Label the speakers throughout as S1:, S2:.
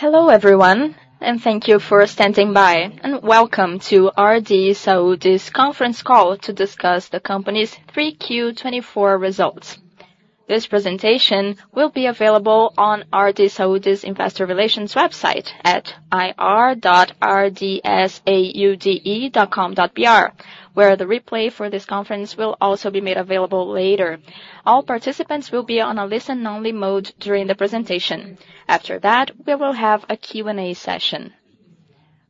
S1: Hello everyone, and thank you for standing by, and welcome to RD Saúde's conference call to discuss the company's 3Q24 results. This presentation will be available on RD Saúde's investor relations website at ir.rdsaude.com.br, where the replay for this conference will also be made available later. All participants will be on a listen-only mode during the presentation. After that, we will have a Q&A session.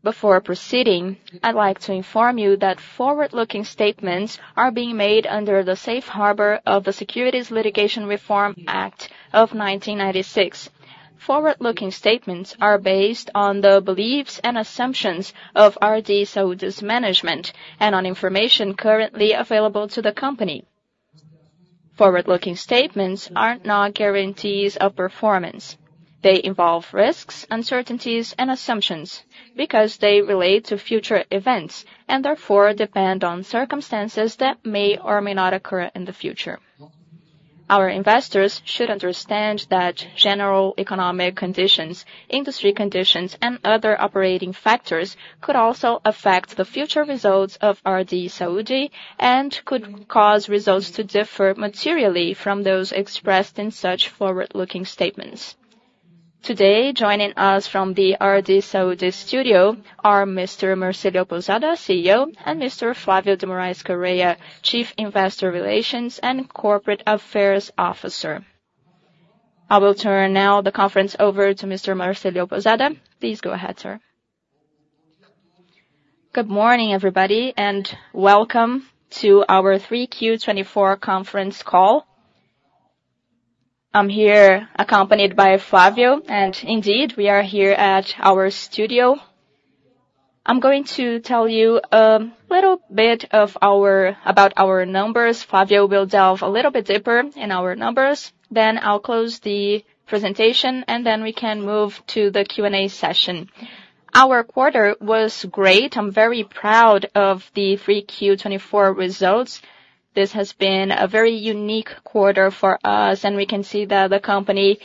S1: Before proceeding, I'd like to inform you that forward-looking statements are being made under the Safe Harbor of the Securities Litigation Reform Act of 1996. Forward-looking statements are based on the beliefs and assumptions of RD Saúde's management and on information currently available to the company. Forward-looking statements are not guarantees of performance. They involve risks, uncertainties, and assumptions because they relate to future events and therefore depend on circumstances that may or may not occur in the future. Our investors should understand that general economic conditions, industry conditions, and other operating factors could also affect the future results of RD Saúde and could cause results to differ materially from those expressed in such forward-looking statements. Today, joining us from the RD Saúde's studio are Mr. Marcilio Pousada, CEO, and Mr. Flavio de Moraes Correia, Chief Investor Relations and Corporate Affairs Officer. I will turn now the conference over to Mr. Marcilio Pousada. Please go ahead, sir.
S2: Good morning, everybody, and welcome to our 3Q24 conference call. I'm here accompanied by Flavio, and indeed we are here at our studio. I'm going to tell you a little bit about our numbers. Flavio will delve a little bit deeper in our numbers. Then I'll close the presentation, and then we can move to the Q&A session. Our quarter was great. I'm very proud of the 3Q24 results. This has been a very unique quarter for us, and we can see that the company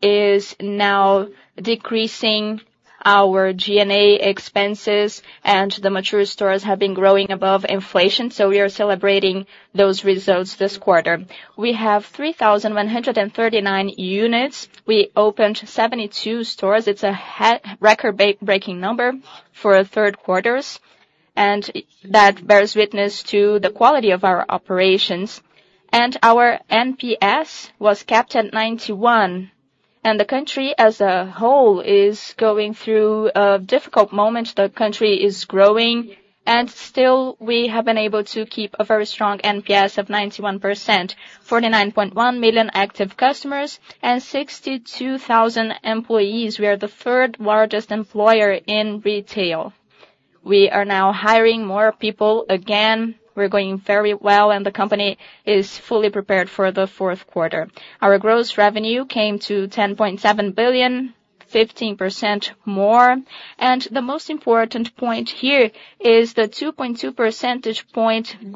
S2: is now decreasing our G&A expenses, and the mature stores have been growing above inflation, so we are celebrating those results this quarter. We have 3,139 units. We opened 72 stores. It's a record-breaking number for third quarters, and that bears witness to the quality of our operations, and our NPS was capped at 91, and the country as a whole is going through a difficult moment. The country is growing, and still we have been able to keep a very strong NPS of 91%, 49.1 million active customers and 62,000 employees. We are the third largest employer in retail. We are now hiring more people again. We're going very well, and the company is fully prepared for the fourth quarter. Our gross revenue came to 10.7 billion, 15% more, and the most important point here is the 2.2 percentage point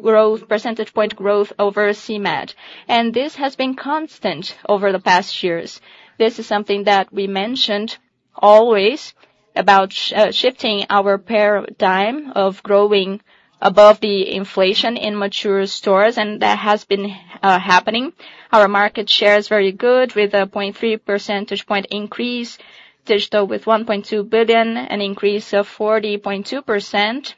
S2: growth over CMED. This has been constant over the past years. This is something that we mentioned always about shifting our paradigm of growing above the inflation in mature stores, and that has been happening. Our market share is very good with a 0.3 percentage point increase, digital with 1.2 billion, an increase of 40.2%.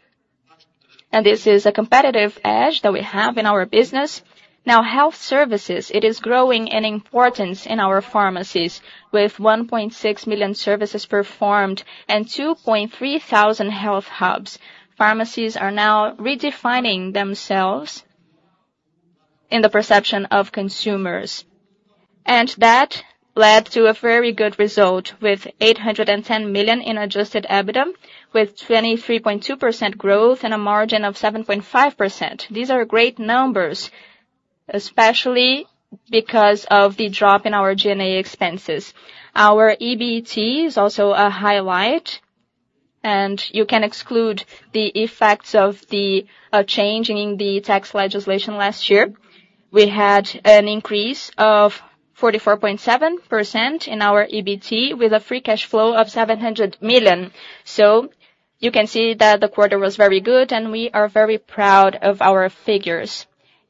S2: This is a competitive edge that we have in our business. Now, health services, it is growing in importance in our pharmacies with 1.6 million services performed and 2,300 health hubs. Pharmacies are now redefining themselves in the perception of consumers, and that led to a very good result with 810 million in adjusted EBITDA, with 23.2% growth and a margin of 7.5%. These are great numbers, especially because of the drop in our G&A expenses. Our EBIT is also a highlight, and you can exclude the effects of the change in the tax legislation last year. We had an increase of 44.7% in our EBIT with a free cash flow of 700 million. So you can see that the quarter was very good, and we are very proud of our figures.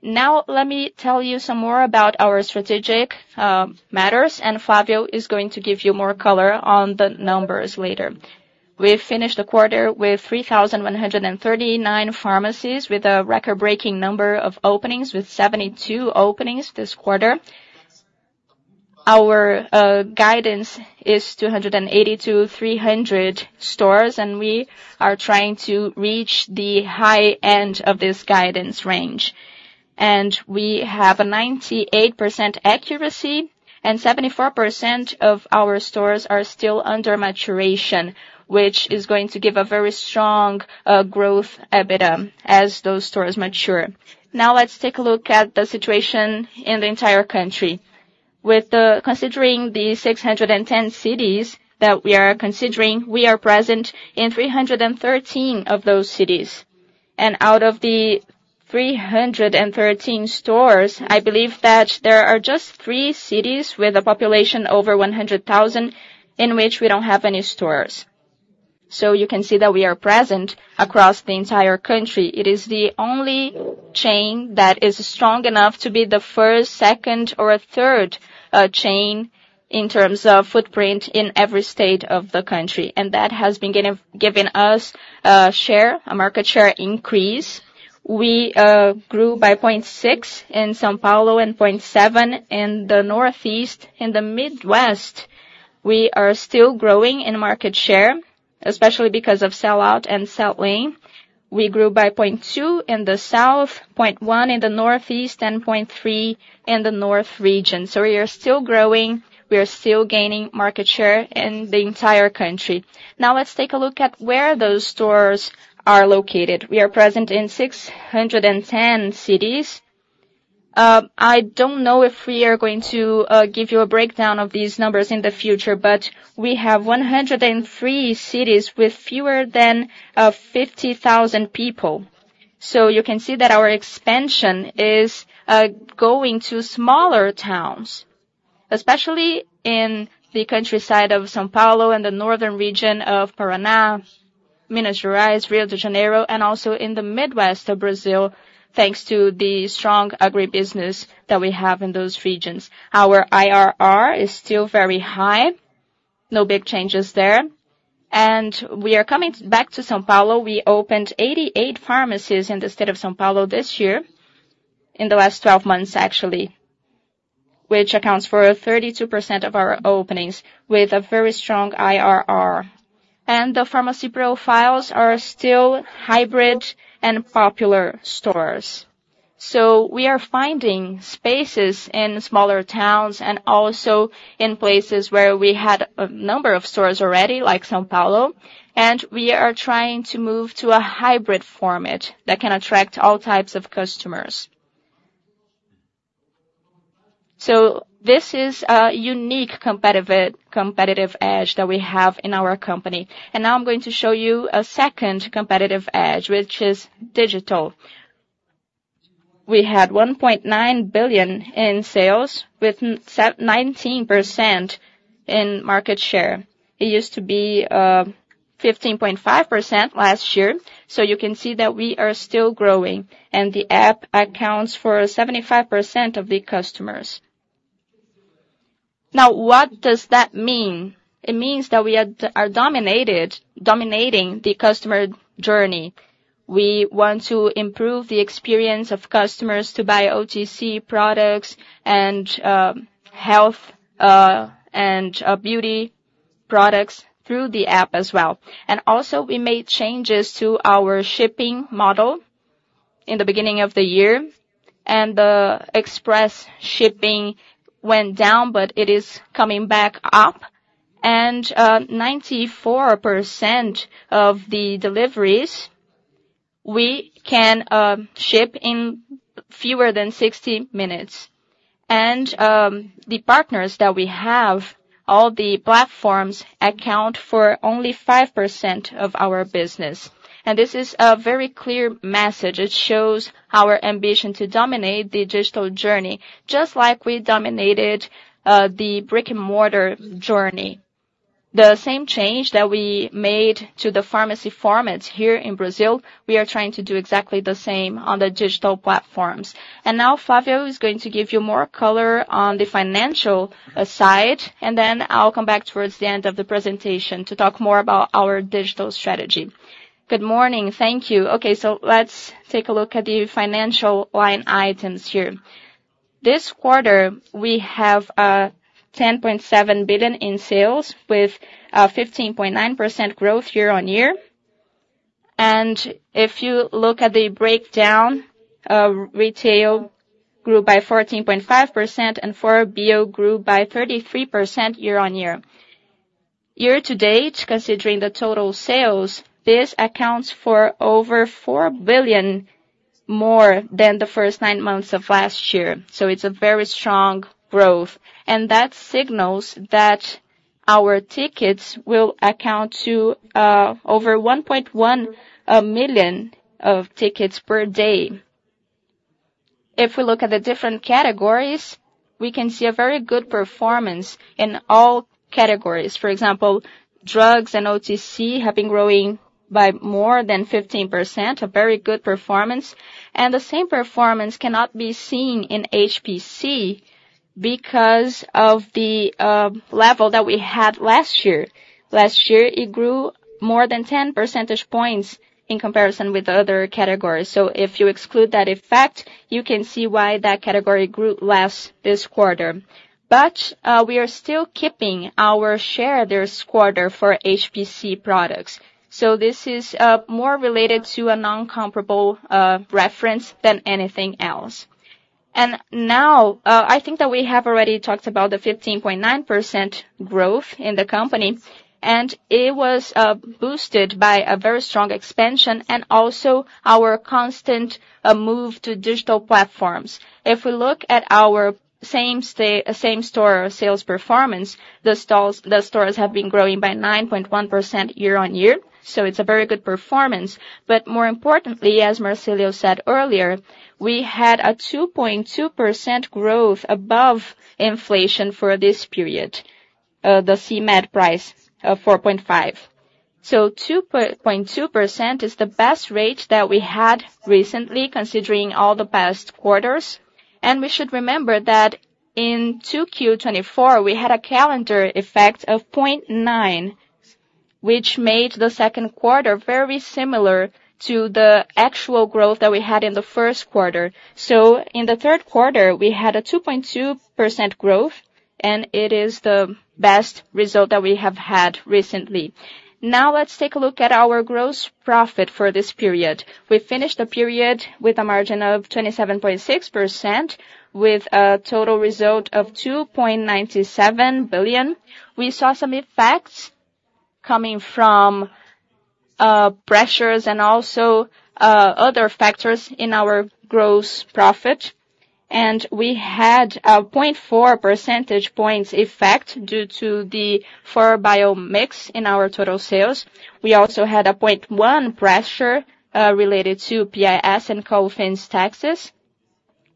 S2: Now, let me tell you some more about our strategic matters, and Flavio is going to give you more color on the numbers later. We finished the quarter with 3,139 pharmacies with a record-breaking number of openings, with 72 openings this quarter. Our guidance is 280-300 stores, and we are trying to reach the high end of this guidance range. We have a 98% accuracy, and 74% of our stores are still under maturation, which is going to give a very strong growth EBITDA as those stores mature. Now, let's take a look at the situation in the entire country. Considering the 610 cities that we are considering, we are present in 313 of those cities. And out of the 313 stores, I believe that there are just three cities with a population over 100,000 in which we don't have any stores. So you can see that we are present across the entire country. It is the only chain that is strong enough to be the first, second, or third chain in terms of footprint in every state of the country. And that has been giving us a share, a market share increase. We grew by 0.6 in São Paulo and 0.7 in the Northeast. In the Midwest, we are still growing in market share, especially because of sell-out and sell-in. We grew by 0.2 in the South, 0.1 in the Northeast, and 0.3 in the North region. So we are still growing. We are still gaining market share in the entire country. Now, let's take a look at where those stores are located. We are present in 610 cities. I don't know if we are going to give you a breakdown of these numbers in the future, but we have 103 cities with fewer than 50,000 people. So you can see that our expansion is going to smaller towns, especially in the countryside of São Paulo and the Northern region of Paraná, Minas Gerais, Rio de Janeiro, and also in the Midwest of Brazil, thanks to the strong agribusiness that we have in those regions. Our IRR is still very high. No big changes there. And we are coming back to São Paulo. We opened 88 pharmacies in the state of São Paulo this year, in the last 12 months, actually, which accounts for 32% of our openings, with a very strong IRR. And the pharmacy profiles are still hybrid and popular stores. So we are finding spaces in smaller towns and also in places where we had a number of stores already, like São Paulo, and we are trying to move to a hybrid format that can attract all types of customers. So this is a unique competitive edge that we have in our company. And now I'm going to show you a second competitive edge, which is digital. We had 1.9 billion in sales, with 19% in market share. It used to be 15.5% last year. You can see that we are still growing, and the app accounts for 75% of the customers. Now, what does that mean? It means that we are dominating the customer journey. We want to improve the experience of customers to buy OTC products and health and beauty products through the app as well. We made changes to our shipping model in the beginning of the year, and the express shipping went down, but it is coming back up. 94% of the deliveries we can ship in fewer than 60 minutes. The partners that we have, all the platforms, account for only 5% of our business. This is a very clear message. It shows our ambition to dominate the digital journey, just like we dominated the brick-and-mortar journey. The same change that we made to the pharmacy formats here in Brazil, we are trying to do exactly the same on the digital platforms. And now, Flavio is going to give you more color on the financial side, and then I'll come back towards the end of the presentation to talk more about our digital strategy.
S3: Good morning. Thank you. Okay, so let's take a look at the financial line items here. This quarter, we have 10.7 billion in sales, with 15.9% growth year on year. And if you look at the breakdown, retail grew by 14.5%, and 4Bio grew by 33% year on year. Year to date, considering the total sales, this accounts for over 4 billion more than the first nine months of last year. So it's a very strong growth. That signals that our tickets will account for over 1.1 million tickets per day. If we look at the different categories, we can see a very good performance in all categories. For example, drugs and OTC have been growing by more than 15%, a very good performance. And the same performance cannot be seen in HPC because of the level that we had last year. Last year, it grew more than 10 percentage points in comparison with other categories. So if you exclude that effect, you can see why that category grew less this quarter. But we are still keeping our share this quarter for HPC products. So this is more related to a non-comparable reference than anything else. Now, I think that we have already talked about the 15.9% growth in the company, and it was boosted by a very strong expansion and also our constant move to digital platforms. If we look at our same store sales performance, the stores have been growing by 9.1% year on year. It's a very good performance. But more importantly, as Marcilio said earlier, we had a 2.2% growth above inflation for this period, the CMED price of 4.5%. So 2.2% is the best rate that we had recently, considering all the past quarters. We should remember that in 2Q24, we had a calendar effect of 0.9, which made the second quarter very similar to the actual growth that we had in the first quarter. In the third quarter, we had a 2.2% growth, and it is the best result that we have had recently. Now, let's take a look at our gross profit for this period. We finished the period with a margin of 27.6%, with a total result of 2.97 billion. We saw some effects coming from pressures and also other factors in our gross profit, and we had a 0.4 percentage points effect due to the 4Bio mix in our total sales. We also had a 0.1 pressure related to PIS and COFINS taxes,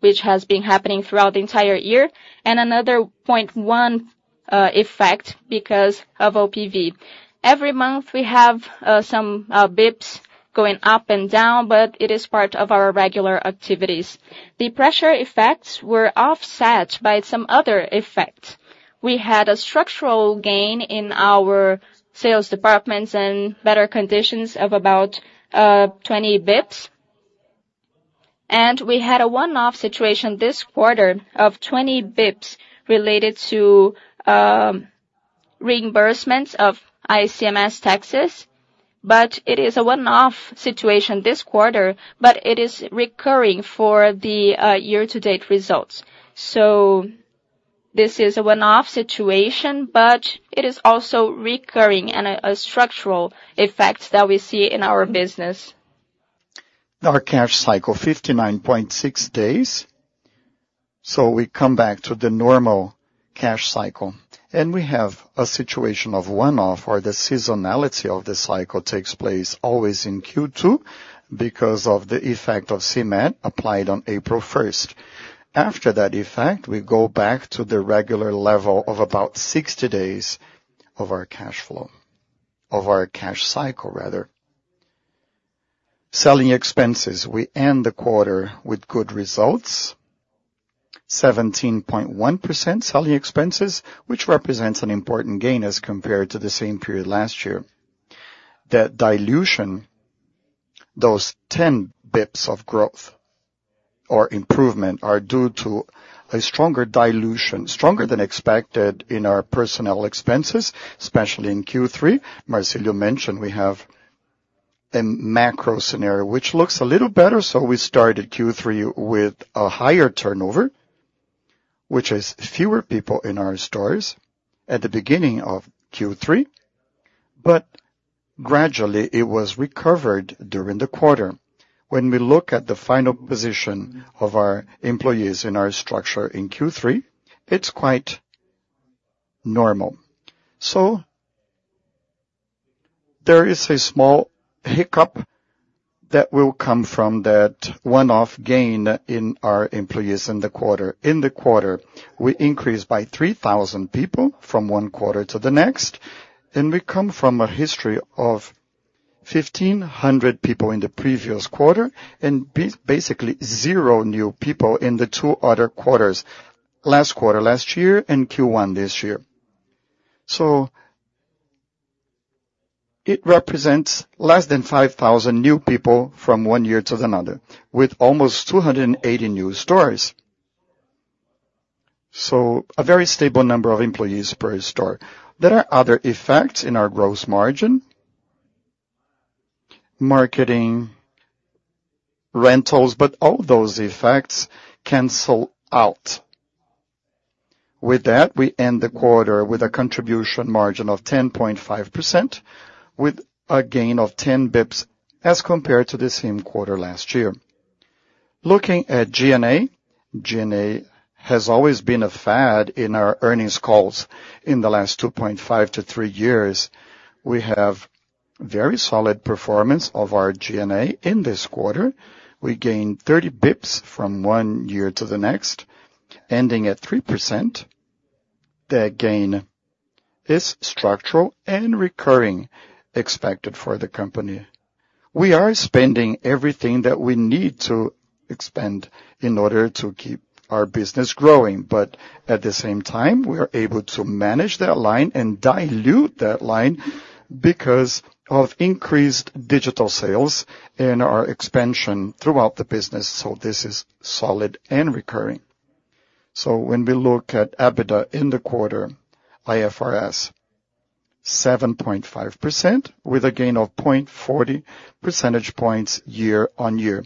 S3: which has been happening throughout the entire year, and another 0.1 effect because of AVP. Every month, we have some basis points going up and down, but it is part of our regular activities. The pressure effects were offset by some other effects. We had a structural gain in our sales departments and better conditions of about 20 bps, and we had a one-off situation this quarter of 20 bps related to reimbursements of ICMS taxes. But it is a one-off situation this quarter, but it is recurring for the year-to-date results. So this is a one-off situation, but it is also recurring and a structural effect that we see in our business. Our cash cycle, 59.6 days. So we come back to the normal cash cycle. And we have a situation of one-off where the seasonality of the cycle takes place always in Q2 because of the effect of CMED applied on April 1st. After that effect, we go back to the regular level of about 60 days of our cash flow, of our cash cycle, rather. Selling expenses, we end the quarter with good results, 17.1% selling expenses, which represents an important gain as compared to the same period last year. That dilution, those 10 bps of growth or improvement are due to a stronger dilution, stronger than expected in our personnel expenses, especially in Q3.Marcilio mentioned we have a macro scenario, which looks a little better. So we started Q3 with a higher turnover, which is fewer people in our stores at the beginning of Q3. But gradually, it was recovered during the quarter. When we look at the final position of our employees in our structure in Q3, it's quite normal. So there is a small hiccup that will come from that one-off gain in our employees in the quarter. In the quarter, we increased by 3,000 people from one quarter to the next. And we come from a history of 1,500 people in the previous quarter and basically zero new people in the two other quarters, last quarter last year and Q1 this year. So it represents less than 5,000 new people from one year to another, with almost 280 new stores. So a very stable number of employees per store. There are other effects in our gross margin, marketing, rentals, but all those effects cancel out. With that, we end the quarter with a contribution margin of 10.5%, with a gain of 10 bps as compared to the same quarter last year. Looking at G&A, G&A has always been a fad in our earnings calls in the last 2.5 to 3 years. We have very solid performance of our G&A in this quarter. We gained 30 bps from one year to the next, ending at 3%. That gain is structural and recurring, expected for the company. We are spending everything that we need to expend in order to keep our business growing. But at the same time, we are able to manage that line and dilute that line because of increased digital sales and our expansion throughout the business. So this is solid and recurring. So when we look at EBITDA in the quarter, IFRS, 7.5% with a gain of 0.40 percentage points year on year.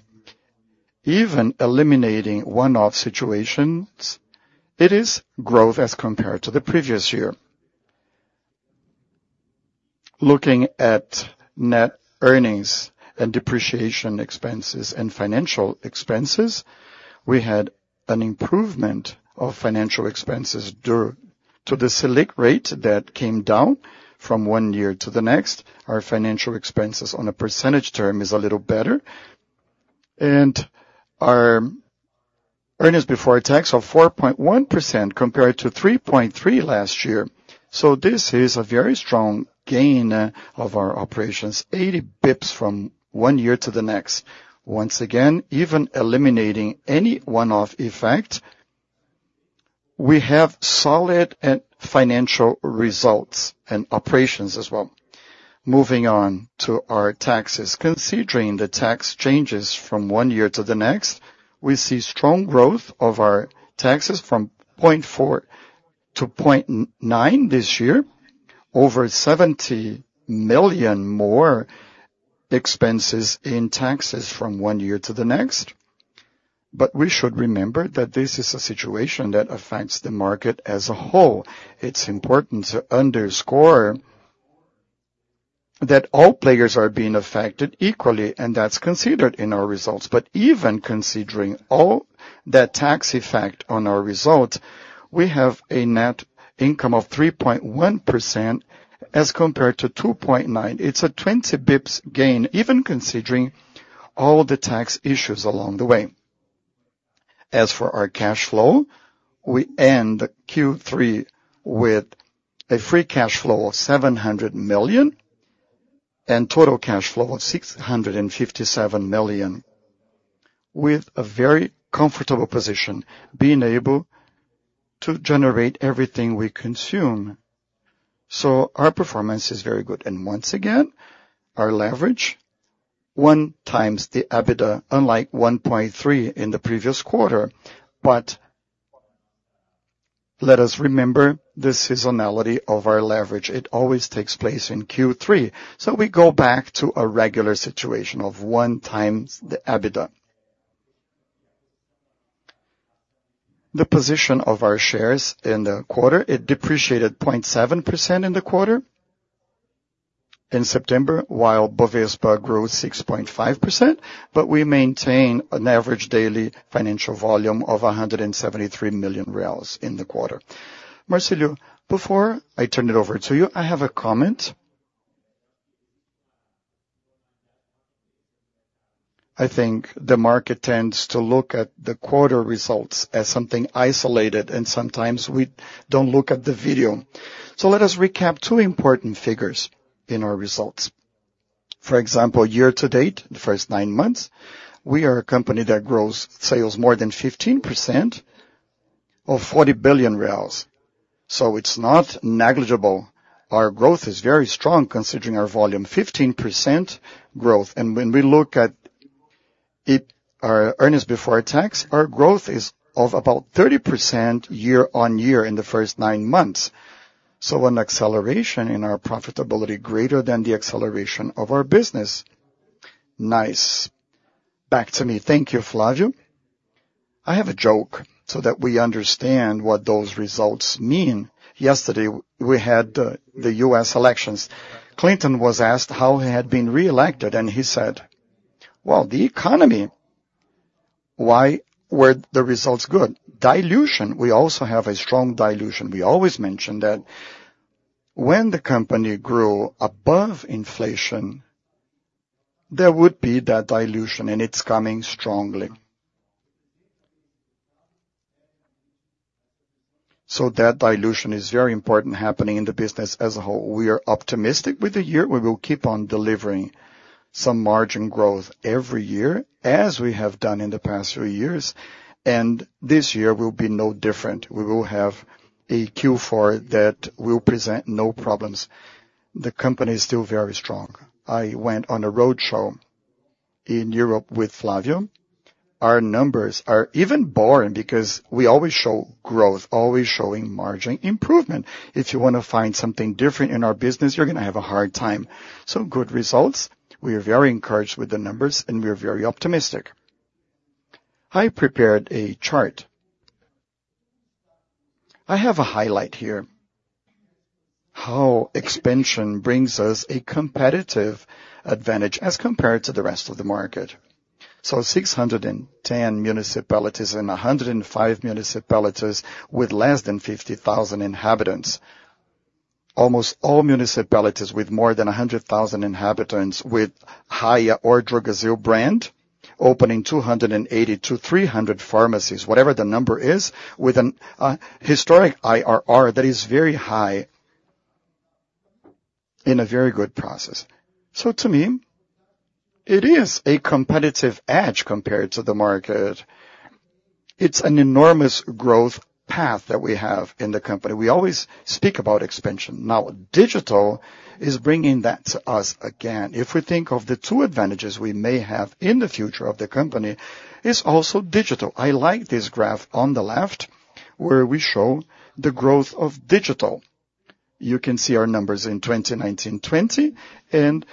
S3: Even eliminating one-off situations, it is growth as compared to the previous year. Looking at net earnings and depreciation expenses and financial expenses, we had an improvement of financial expenses to the Selic rate that came down from one year to the next. Our financial expenses on a percentage term is a little better. And our earnings before tax of 4.1% compared to 3.3% last year. So this is a very strong gain of our operations, 80 bps from one year to the next. Once again, even eliminating any one-off effect, we have solid financial results and operations as well. Moving on to our taxes, considering the tax changes from one year to the next, we see strong growth of our taxes from 0.4 to 0.9 this year, over 70 million more expenses in taxes from one year to the next. But we should remember that this is a situation that affects the market as a whole. It's important to underscore that all players are being affected equally, and that's considered in our results. But even considering all that tax effect on our result, we have a net income of 3.1% as compared to 2.9%. It's a 20 bps gain, even considering all the tax issues along the way. As for our cash flow, we end Q3 with a free cash flow of 700 million and total cash flow of 657 million, with a very comfortable position, being able to generate everything we consume. So our performance is very good. And once again, our leverage, one times the EBITDA, unlike 1.3 in the previous quarter. But let us remember the seasonality of our leverage. It always takes place in Q3. So we go back to a regular situation of one times the EBITDA. The position of our shares in the quarter, it depreciated 0.7% in the quarter in September, while Ibovespa grew 6.5%. But we maintain an average daily financial volume of 173 million reais in the quarter. Marcilio, before I turn it over to you, I have a comment. I think the market tends to look at the quarter results as something isolated, and sometimes we don't look at the video. So let us recap two important figures in our results. For example, year to date, the first nine months, we are a company that grows sales more than 15% of 40 billion reais. So it's not negligible. Our growth is very strong, considering our volume, 15% growth. And when we look at our earnings before tax, our growth is of about 30% year on year in the first nine months. So an acceleration in our profitability greater than the acceleration of our business.
S2: Nice. Back to me. Thank you, Flavio. I have a joke so that we understand what those results mean. Yesterday, we had the U.S. elections. Clinton was asked how he had been reelected, and he said, "Well, the economy, why were the results good?" Dilution. We also have a strong dilution. We always mention that when the company grew above inflation, there would be that dilution, and it's coming strongly. So that dilution is very important happening in the business as a whole. We are optimistic with the year. We will keep on delivering some margin growth every year, as we have done in the past few years. And this year will be no different. We will have a Q4 that will present no problems. The company is still very strong. I went on a roadshow in Europe with Flavio. Our numbers are even boring because we always show growth, always showing margin improvement. If you want to find something different in our business, you're going to have a hard time. So good results. We are very encouraged with the numbers, and we are very optimistic. I prepared a chart. I have a highlight here how expansion brings us a competitive advantage as compared to the rest of the market. So 610 municipalities and 105 municipalities with less than 50,000 inhabitants. Almost all municipalities with more than 100,000 inhabitants with Raia or Drogasil brand, opening 280-300 pharmacies, whatever the number is, with a historic IRR that is very high in a very good process. So to me, it is a competitive edge compared to the market. It's an enormous growth path that we have in the company. We always speak about expansion. Now, digital is bringing that to us again. If we think of the two advantages we may have in the future of the company, it's also digital. I like this graph on the left where we show the growth of digital. You can see our numbers in 2019, 2020, and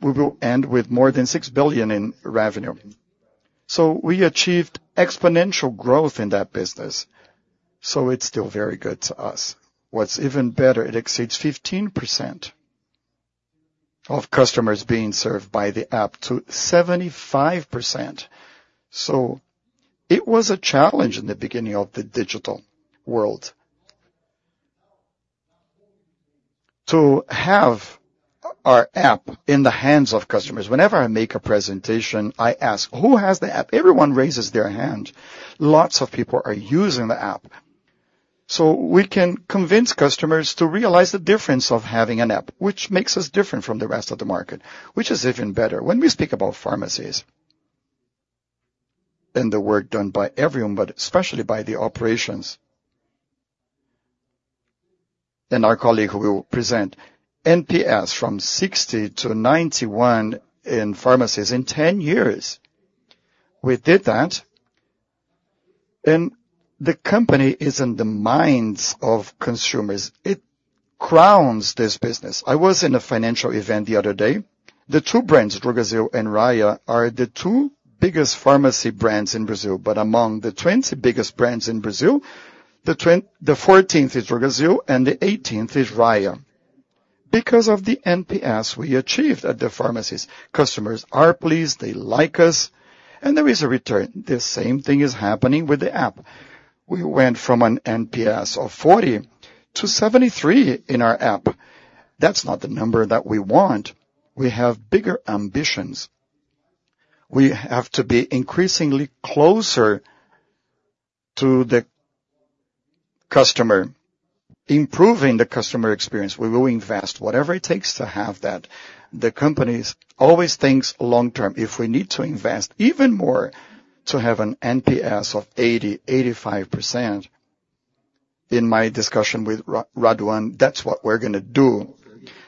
S2: we will end with more than 6 billion in revenue, so we achieved exponential growth in that business, so it's still very good to us. What's even better, it exceeds 15% of customers being served by the app to 75%. So it was a challenge in the beginning of the digital world to have our app in the hands of customers. Whenever I make a presentation, I ask, "Who has the app?" Everyone raises their hand. Lots of people are using the app, so we can convince customers to realize the difference of having an app, which makes us different from the rest of the market, which is even better when we speak about pharmacies and the work done by everyone, but especially by the operations, and our colleague will present NPS from 60 to 91 in pharmacies in 10 years. We did that. The company is in the minds of consumers. It crowns this business. I was in a financial event the other day. The two brands, Drogasil and Raia, are the two biggest pharmacy brands in Brazil. Among the 20 biggest brands in Brazil, the 14th is Drogasil and the 18th is Raia. Because of the NPS we achieved at the pharmacies, customers are pleased, they like us, and there is a return. The same thing is happening with the app. We went from an NPS of 40 to 73 in our app. That's not the number that we want. We have bigger ambitions. We have to be increasingly closer to the customer, improving the customer experience. We will invest whatever it takes to have that. The company always thinks long-term. If we need to invest even more to have an NPS of 80%-85%, in my discussion with Raduan, that's what we're going to do.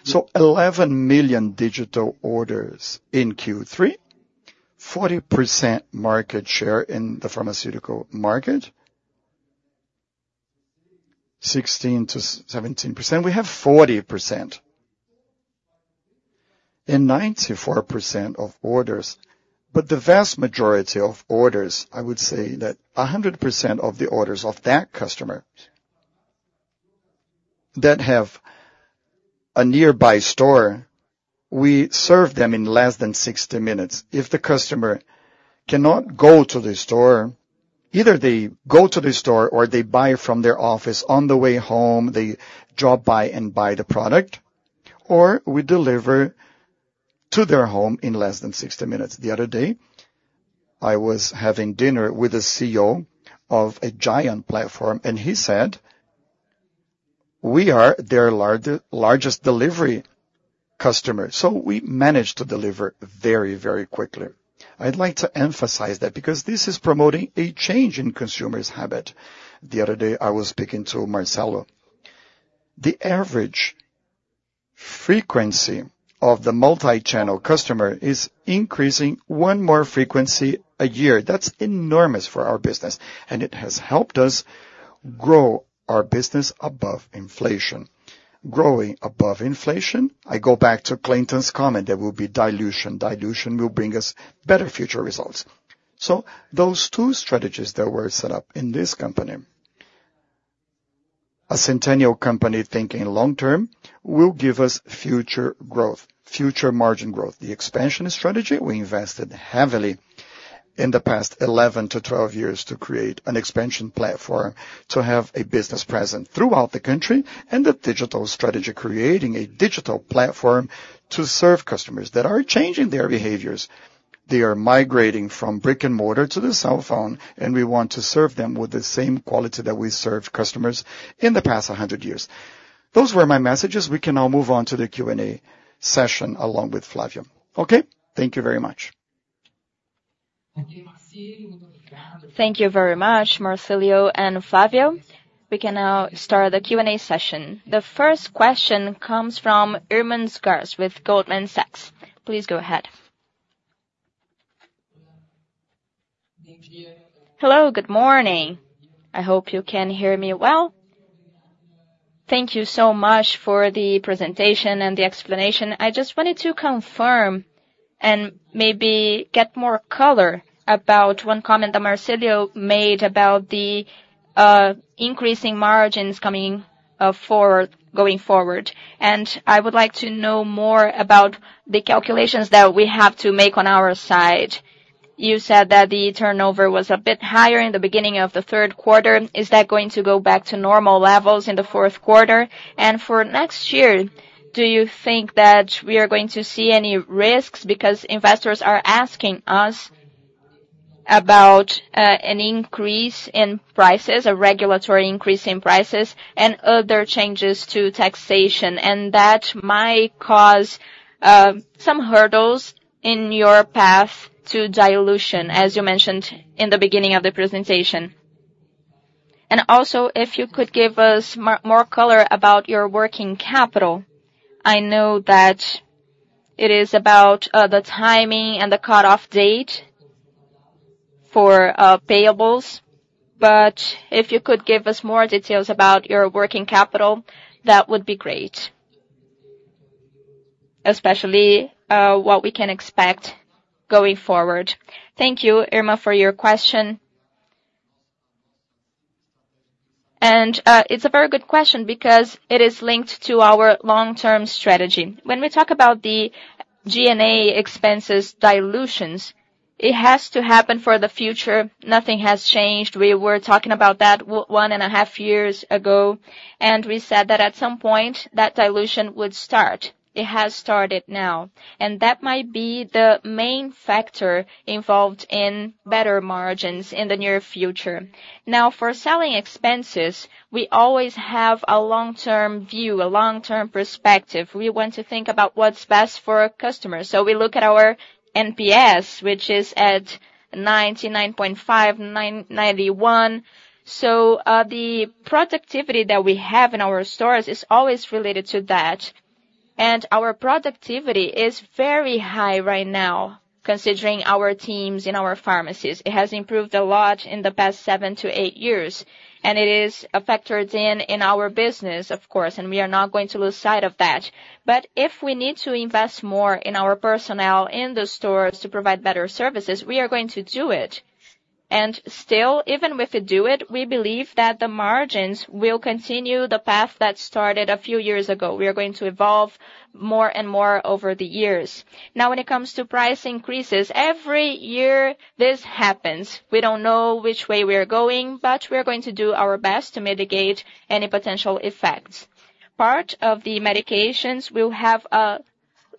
S2: So 11 million digital orders in Q3, 40% market share in the pharmaceutical market, 16%-17%. We have 40% and 94% of orders. But the vast majority of orders, I would say that 100% of the orders of that customer that have a nearby store, we serve them in less than 60 minutes. If the customer cannot go to the store, either they go to the store or they buy from their office on the way home, they drop by and buy the product, or we deliver to their home in less than 60 minutes. The other day, I was having dinner with the CEO of a giant platform, and he said, "We are their largest delivery customer," so we managed to deliver very, very quickly. I'd like to emphasize that because this is promoting a change in consumers' habit. The other day, I was speaking to Marcelo. The average frequency of the multi-channel customer is increasing one more frequency a year. That's enormous for our business, and it has helped us grow our business above inflation. Growing above inflation, I go back to Clinton's comment that will be dilution. Dilution will bring us better future results, so those two strategies that were set up in this company, a centennial company thinking long-term, will give us future growth, future margin growth. The expansion strategy, we invested heavily in the past 11 to 12 years to create an expansion platform to have a business present throughout the country and the digital strategy, creating a digital platform to serve customers that are changing their behaviors. They are migrating from brick and mortar to the cell phone, and we want to serve them with the same quality that we served customers in the past 100 years. Those were my messages. We can now move on to the Q&A session along with Flavio. Okay? Thank you very much.
S1: Thank you very much, Marcílio and Flavio. We can now start the Q&A session. The first question comes from Irma Sgarz with Goldman Sachs. Please go ahead.
S4: Hello, good morning. I hope you can hear me well. Thank you so much for the presentation and the explanation. I just wanted to confirm and maybe get more color about one comment that Marcilio made about the increasing margins coming forward, going forward. I would like to know more about the calculations that we have to make on our side. You said that the turnover was a bit higher in the beginning of the third quarter. Is that going to go back to normal levels in the fourth quarter? For next year, do you think that we are going to see any risks? Because investors are asking us about an increase in prices, a regulatory increase in prices, and other changes to taxation. That might cause some hurdles in your path to dilution, as you mentioned in the beginning of the presentation. Also, if you could give us more color about your working capital. I know that it is about the timing and the cutoff date for payables. But if you could give us more details about your working capital, that would be great, especially what we can expect going forward.
S2: Thank you, Irma, for your question. It's a very good question because it is linked to our long-term strategy. Let me talk about the G&A expenses dilutions, it has to happen for the future. Nothing has changed. We were talking about that one and a half years ago, and we said that at some point, that dilution would start. It has started now. That might be the main factor involved in better margins in the near future. Now, for selling expenses, we always have a long-term view, a long-term perspective. We want to think about what's best for our customers. We look at our NPS, which is at 99.5, 91. So the productivity that we have in our stores is always related to that. And our productivity is very high right now, considering our teams in our pharmacies. It has improved a lot in the past seven to eight years. And it is a factor in our business, of course, and we are not going to lose sight of that. But if we need to invest more in our personnel in the stores to provide better services, we are going to do it. And still, even with a downturn, we believe that the margins will continue the path that started a few years ago. We are going to evolve more and more over the years. Now, when it comes to price increases, every year this happens. We don't know which way we are going, but we are going to do our best to mitigate any potential effects. Part of the medications will have a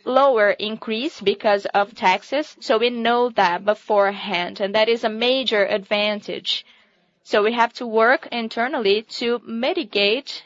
S2: lower increase because of taxes. So we know that beforehand, and that is a major advantage. So we have to work internally to mitigate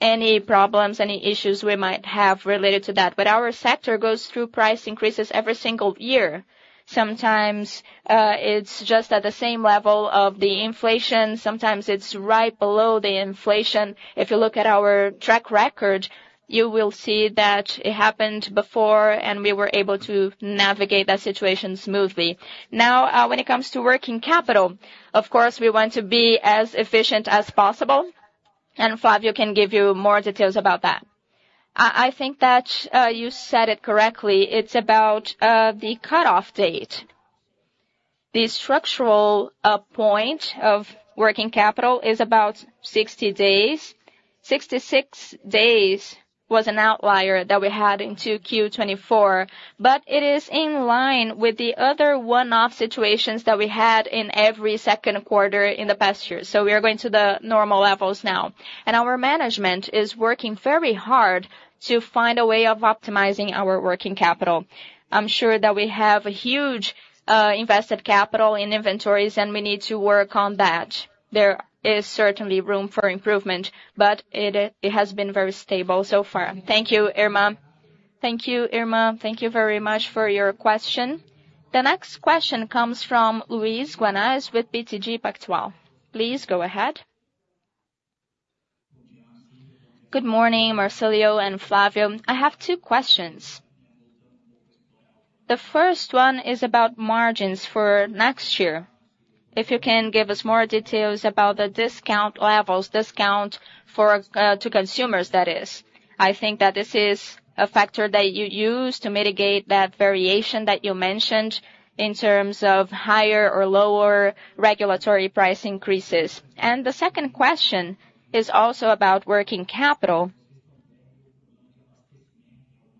S2: any problems, any issues we might have related to that. But our sector goes through price increases every single year. Sometimes it's just at the same level of the inflation. Sometimes it's right below the inflation. If you look at our track record, you will see that it happened before, and we were able to navigate that situation smoothly. Now, when it comes to working capital, of course, we want to be as efficient as possible. And Flavio can give you more details about that.
S3: I think that you said it correctly. It's about the cutoff date. The structural point of working capital is about 60 days. 66 days was an outlier that we had into Q24, but it is in line with the other one-off situations that we had in every second quarter in the past year. So we are going to the normal levels now. And our management is working very hard to find a way of optimizing our working capital. I'm sure that we have a huge invested capital in inventories, and we need to work on that. There is certainly room for improvement, but it has been very stable so far. Thank you, Irma.
S1: Thank you, Irma. Thank you very much for your question. The next question comes from Luiz Guanais with BTG Pactual. Please go ahead.
S5: Good morning, Marcilio and Flavio. I have two questions. The first one is about margins for next year. If you can give us more details about the discount levels, discount for consumers, that is. I think that this is a factor that you use to mitigate that variation that you mentioned in terms of higher or lower regulatory price increases. And the second question is also about working capital.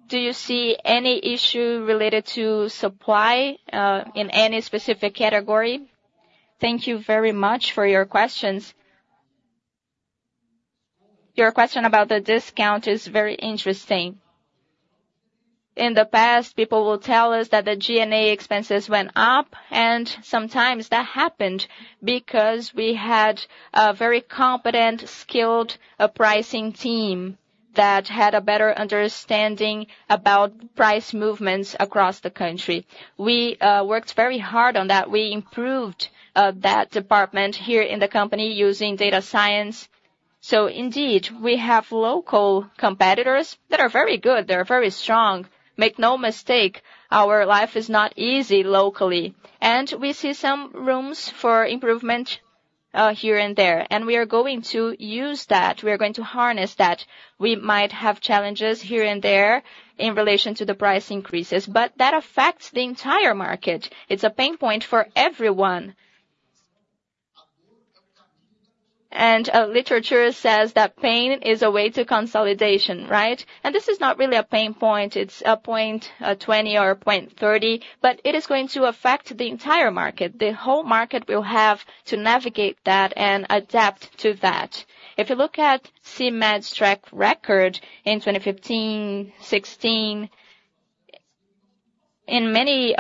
S5: Do you see any issue related to supply in any specific category?
S2: Thank you very much for your questions. Your question about the discount is very interesting. In the past, people will tell us that the G&A expenses went up, and sometimes that happened because we had a very competent, skilled pricing team that had a better understanding about price movements across the country. We worked very hard on that. We improved that department here in the company using data science. So indeed, we have local competitors that are very good. They're very strong. Make no mistake, our life is not easy locally. And we see some rooms for improvement here and there. We are going to use that. We are going to harness that. We might have challenges here and there in relation to the price increases, but that affects the entire market. It's a pain point for everyone. Literature says that pain is a way to consolidation, right? This is not really a pain point. It's a 0.20 or 0.30, but it is going to affect the entire market. The whole market will have to navigate that and adapt to that. If you look at CMED's track record in 2015, 2016, in many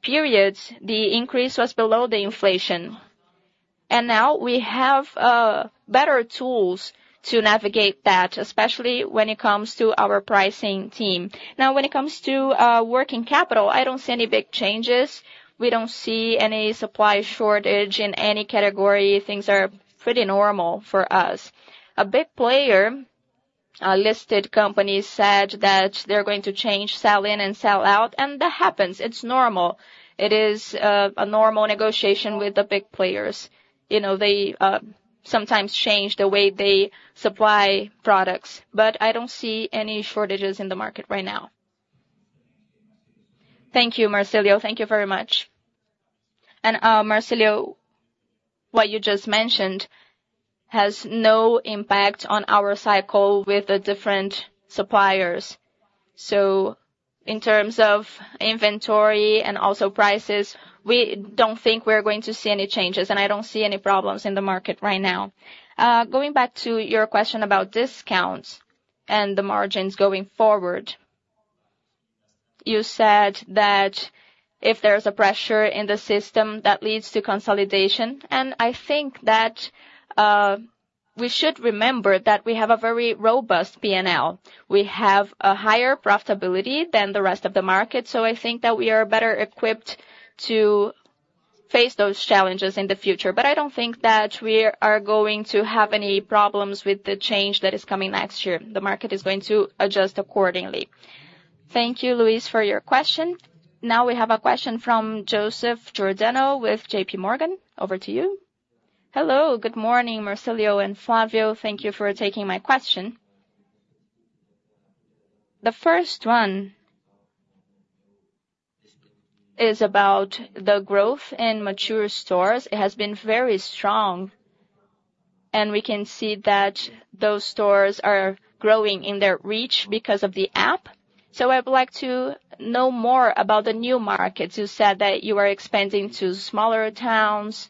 S2: periods, the increase was below the inflation. Now we have better tools to navigate that, especially when it comes to our pricing team. When it comes to working capital, I don't see any big changes. We don't see any supply shortage in any category. Things are pretty normal for us. A big player, a listed company, said that they're going to change sell-in and sell-out, and that happens. It's normal. It is a normal negotiation with the big players. They sometimes change the way they supply products, but I don't see any shortages in the market right now.
S5: Thank you, Marcilio. Thank you very much.
S3: And Marcilio, what you just mentioned has no impact on our cycle with the different suppliers. So in terms of inventory and also prices, we don't think we're going to see any changes, and I don't see any problems in the market right now. Going back to your question about discounts and the margins going forward, you said that if there's a pressure in the system, that leads to consolidation. And I think that we should remember that we have a very robust P&L. We have a higher profitability than the rest of the market. So I think that we are better equipped to face those challenges in the future. But I don't think that we are going to have any problems with the change that is coming next year. The market is going to adjust accordingly.
S1: Thank you, Luiz, for your question. Now we have a question from Joseph Giordano with JP Morgan. Over to you.
S6: Hello, good morning, Marcilio and Flavio. Thank you for taking my question. The first one is about the growth in mature stores. It has been very strong, and we can see that those stores are growing in their reach because of the app. So I would like to know more about the new markets. You said that you are expanding to smaller towns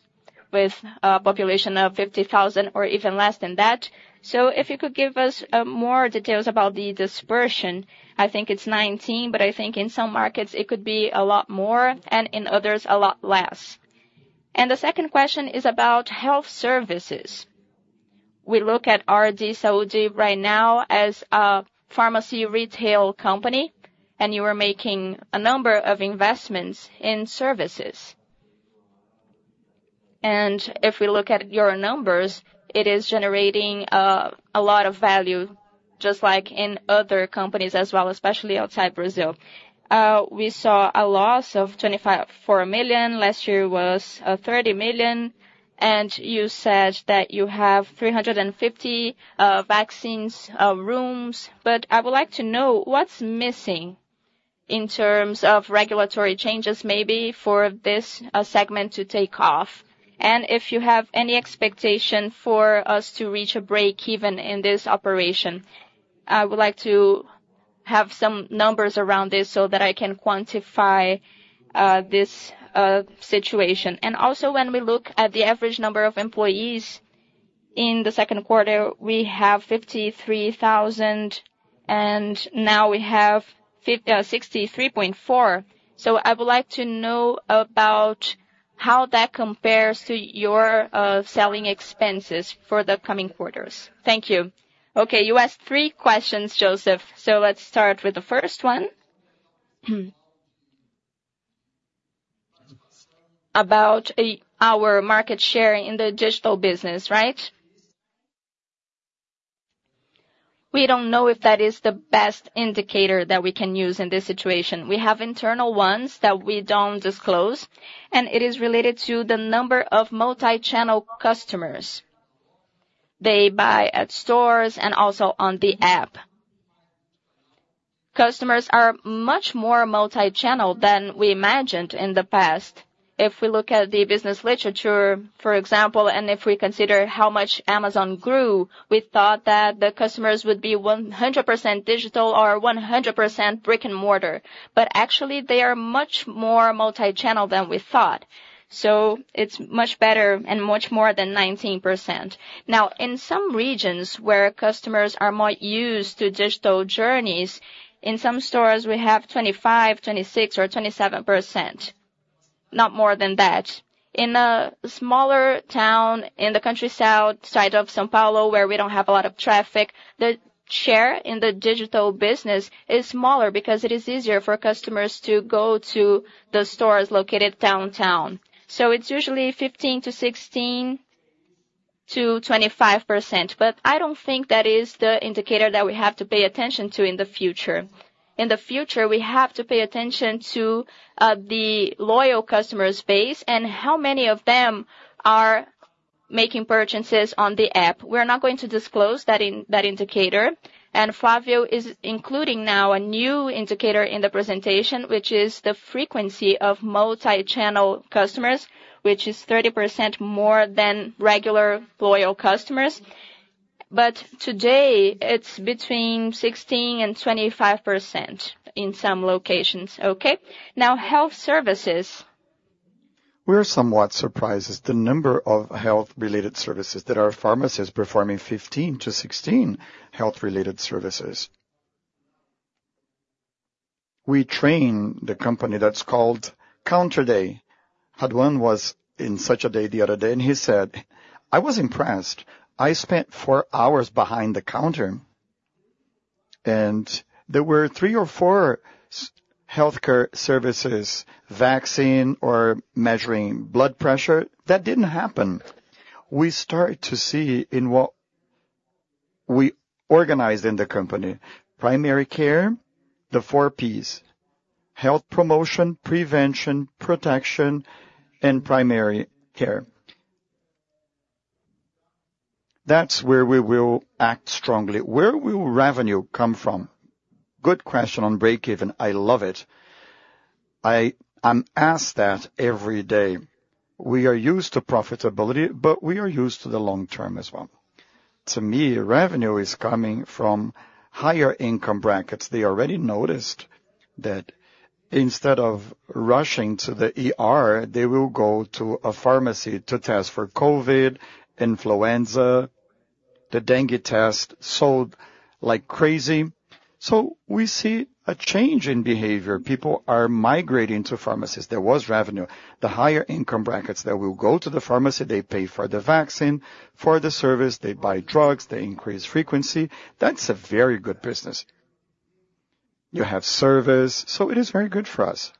S6: with a population of 50,000 or even less than that. So if you could give us more details about the dispersion. I think it's 19, but I think in some markets it could be a lot more and in others a lot less, and the second question is about health services. We look at RD Saúde right now as a pharmacy retail company, and you are making a number of investments in services. And if we look at your numbers, it is generating a lot of value, just like in other companies as well, especially outside Brazil. We saw a loss of 24 million. Last year was 30 million. And you said that you have 350 vaccines rooms, but I would like to know what's missing in terms of regulatory changes maybe for this segment to take off. And if you have any expectation for us to reach a break even in this operation, I would like to have some numbers around this so that I can quantify this situation. Also, when we look at the average number of employees in the second quarter, we have 53,000, and now we have[figure] 63.4. I would like to know about how that compares to your selling expenses for the coming quarters. Thank you.
S2: Okay, you asked three questions, Joseph. Let's start with the first one about our market share in the digital business, right? We don't know if that is the best indicator that we can use in this situation. We have internal ones that we don't disclose, and it is related to the number of multi-channel customers. They buy at stores and also on the app. Customers are much more multi-channel than we imagined in the past. If we look at the business literature, for example, and if we consider how much Amazon grew, we thought that the customers would be 100% digital or 100% brick and mortar. But actually, they are much more multi-channel than we thought. So it's much better and much more than 19%. Now, in some regions where customers are more used to digital journeys, in some stores, we have 25%, 26%, or 27%, not more than that. In a smaller town in the countryside of São Paulo, where we don't have a lot of traffic, the share in the digital business is smaller because it is easier for customers to go to the stores located downtown. So it's usually 15% to 16% to 25%. But I don't think that is the indicator that we have to pay attention to in the future. In the future, we have to pay attention to the loyal customer base and how many of them are making purchases on the app. We're not going to disclose that indicator. Flavio is including now a new indicator in the presentation, which is the frequency of multi-channel customers, which is 30% more than regular loyal customers. But today, it's between 16%-25% in some locations. Okay. Now, health services.
S3: We're somewhat surprised at the number of health-related services that our pharmacy is performing 15-16 health-related services. We trained the company that's called Counter Day. Renato Raduan was in São Paulo the other day, and he said, "I was impressed. I spent four hours behind the counter." There were three or four healthcare services, vaccine or measuring blood pressure, that didn't happen. We start to see in what we organized in the company, primary care, the four Ps, health promotion, prevention, protection, and primary care. That's where we will act strongly. Where will revenue come from? Good question on break-even. I love it. I'm asked that every day. We are used to profitability, but we are used to the long term as well. To me, revenue is coming from higher income brackets. They already noticed that instead of rushing to the ER they will go to a pharmacy to test for COVID, influenza. The dengue test sold like crazy. So we see a change in behavior. People are migrating to pharmacies. There was revenue. The higher income brackets that will go to the pharmacy, they pay for the vaccine, for the service, they buy drugs, they increase frequency. That's a very good business. You have service, so it is very good for us.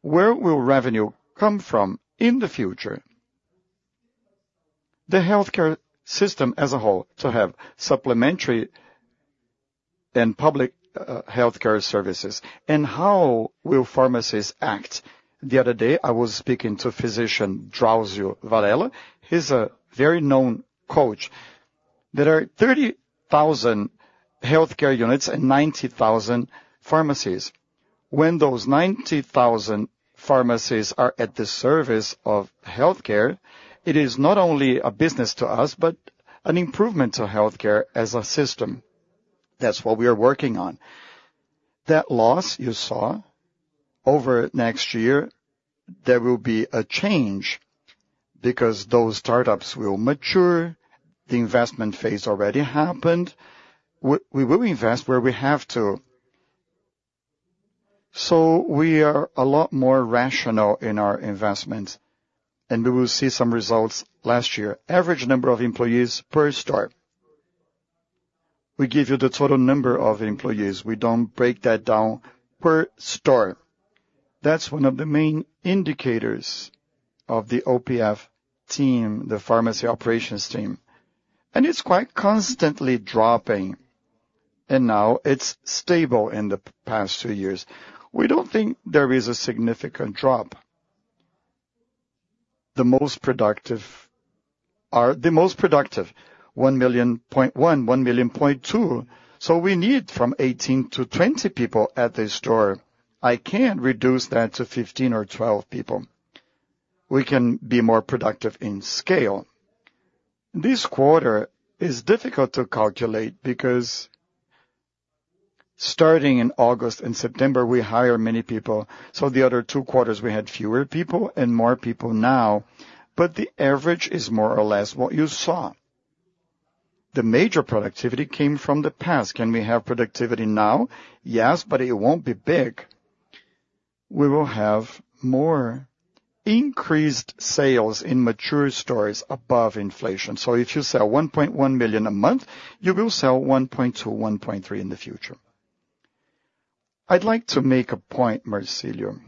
S3: Where will revenue come from in the future? The healthcare system as a whole to have supplementary and public healthcare services. And how will pharmacies act? The other day, I was speaking to physician Drauzio Varella. He's a very known voice. There are 30,000 healthcare units and 90,000 pharmacies. When those 90,000 pharmacies are at the service of healthcare, it is not only a business to us, but an improvement to healthcare as a system. That's what we are working on. That loss you saw over next year, there will be a change because those startups will mature. The investment phase already happened. We will invest where we have to. So we are a lot more rational in our investments, and we will see some results last year. Average number of employees per store. We give you the total number of employees. We don't break that down per store. That's one of the main indicators of the OPF team, the pharmacy operations team. It's quite constantly dropping. Now it's stable in the past two years. We don't think there is a significant drop. The most productive are the most productive, 1.1 million, 1.2 million. So we need from 18 to 20 people at the store. I can reduce that to 15 or 12 people. We can be more productive in scale. This quarter is difficult to calculate because starting in August and September, we hired many people. So the other two quarters, we had fewer people and more people now, but the average is more or less what you saw. The major productivity came from the past. Can we have productivity now? Yes, but it won't be big. We will have more increased sales in mature stores above inflation. So if you sell 1.1 million a month, you will sell 1.2, 1.3 in the future. I'd like to make a point, Marcilio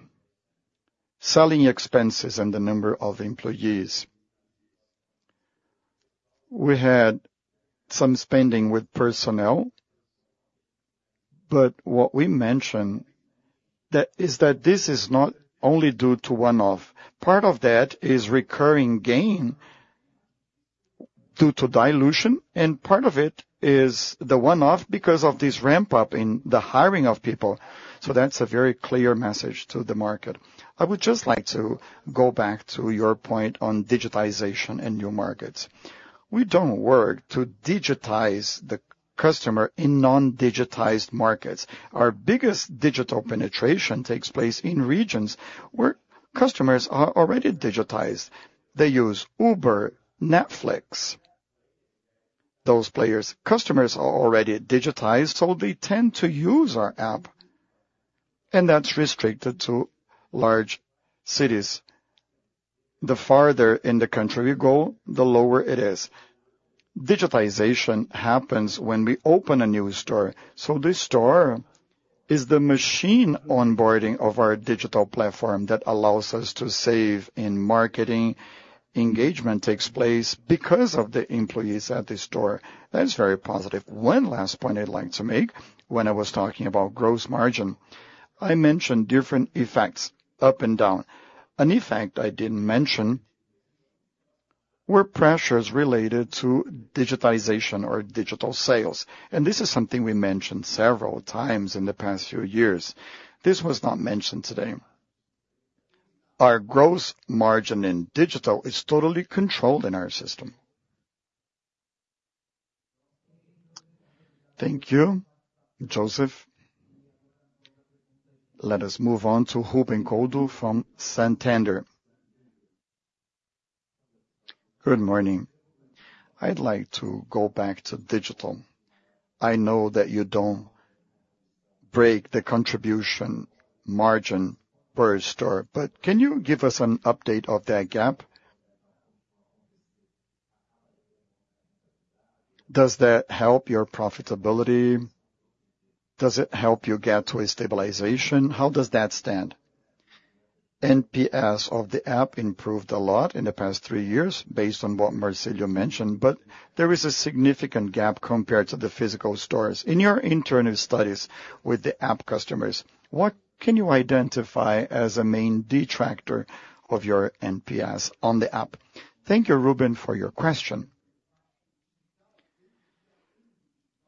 S3: Selling expenses and the number of employees. We had some spending with personnel, but what we mentioned is that this is not only due to one-off. Part of that is recurring gain due to dilution, and part of it is the one-off because of this ramp-up in the hiring of people. So that's a very clear message to the market. I would just like to go back to your point on digitization and new markets. We don't work to digitize the customer in non-digitized markets. Our biggest digital penetration takes place in regions where customers are already digitized. They use Uber, Netflix, those players. Customers are already digitized, so they tend to use our app, and that's restricted to large cities. The farther in the country we go, the lower it is. Digitization happens when we open a new store. So the store is the machine onboarding of our digital platform that allows us to save in marketing. Engagement takes place because of the employees at the store. That's very positive. One last point I'd like to make when I was talking about gross margin. I mentioned different effects up and down. An effect I didn't mention were pressures related to digitization or digital sales. And this is something we mentioned several times in the past few years. This was not mentioned today. Our gross margin in digital is totally controlled in our system.
S1: Thank you, Joseph. Let us move on to Ruben Couto from Santander.
S7: Good morning. I'd like to go back to digital. I know that you don't break the contribution margin per store, but can you give us an update of that gap? Does that help your profitability? Does it help you get to a stabilization? How does that stand? NPS of the app improved a lot in the past three years based on what Marcílio mentioned, but there is a significant gap compared to the physical stores. In your internal studies with the app customers, what can you identify as a main detractor of your NPS on the app?
S3: Thank you, Ruben, for your question.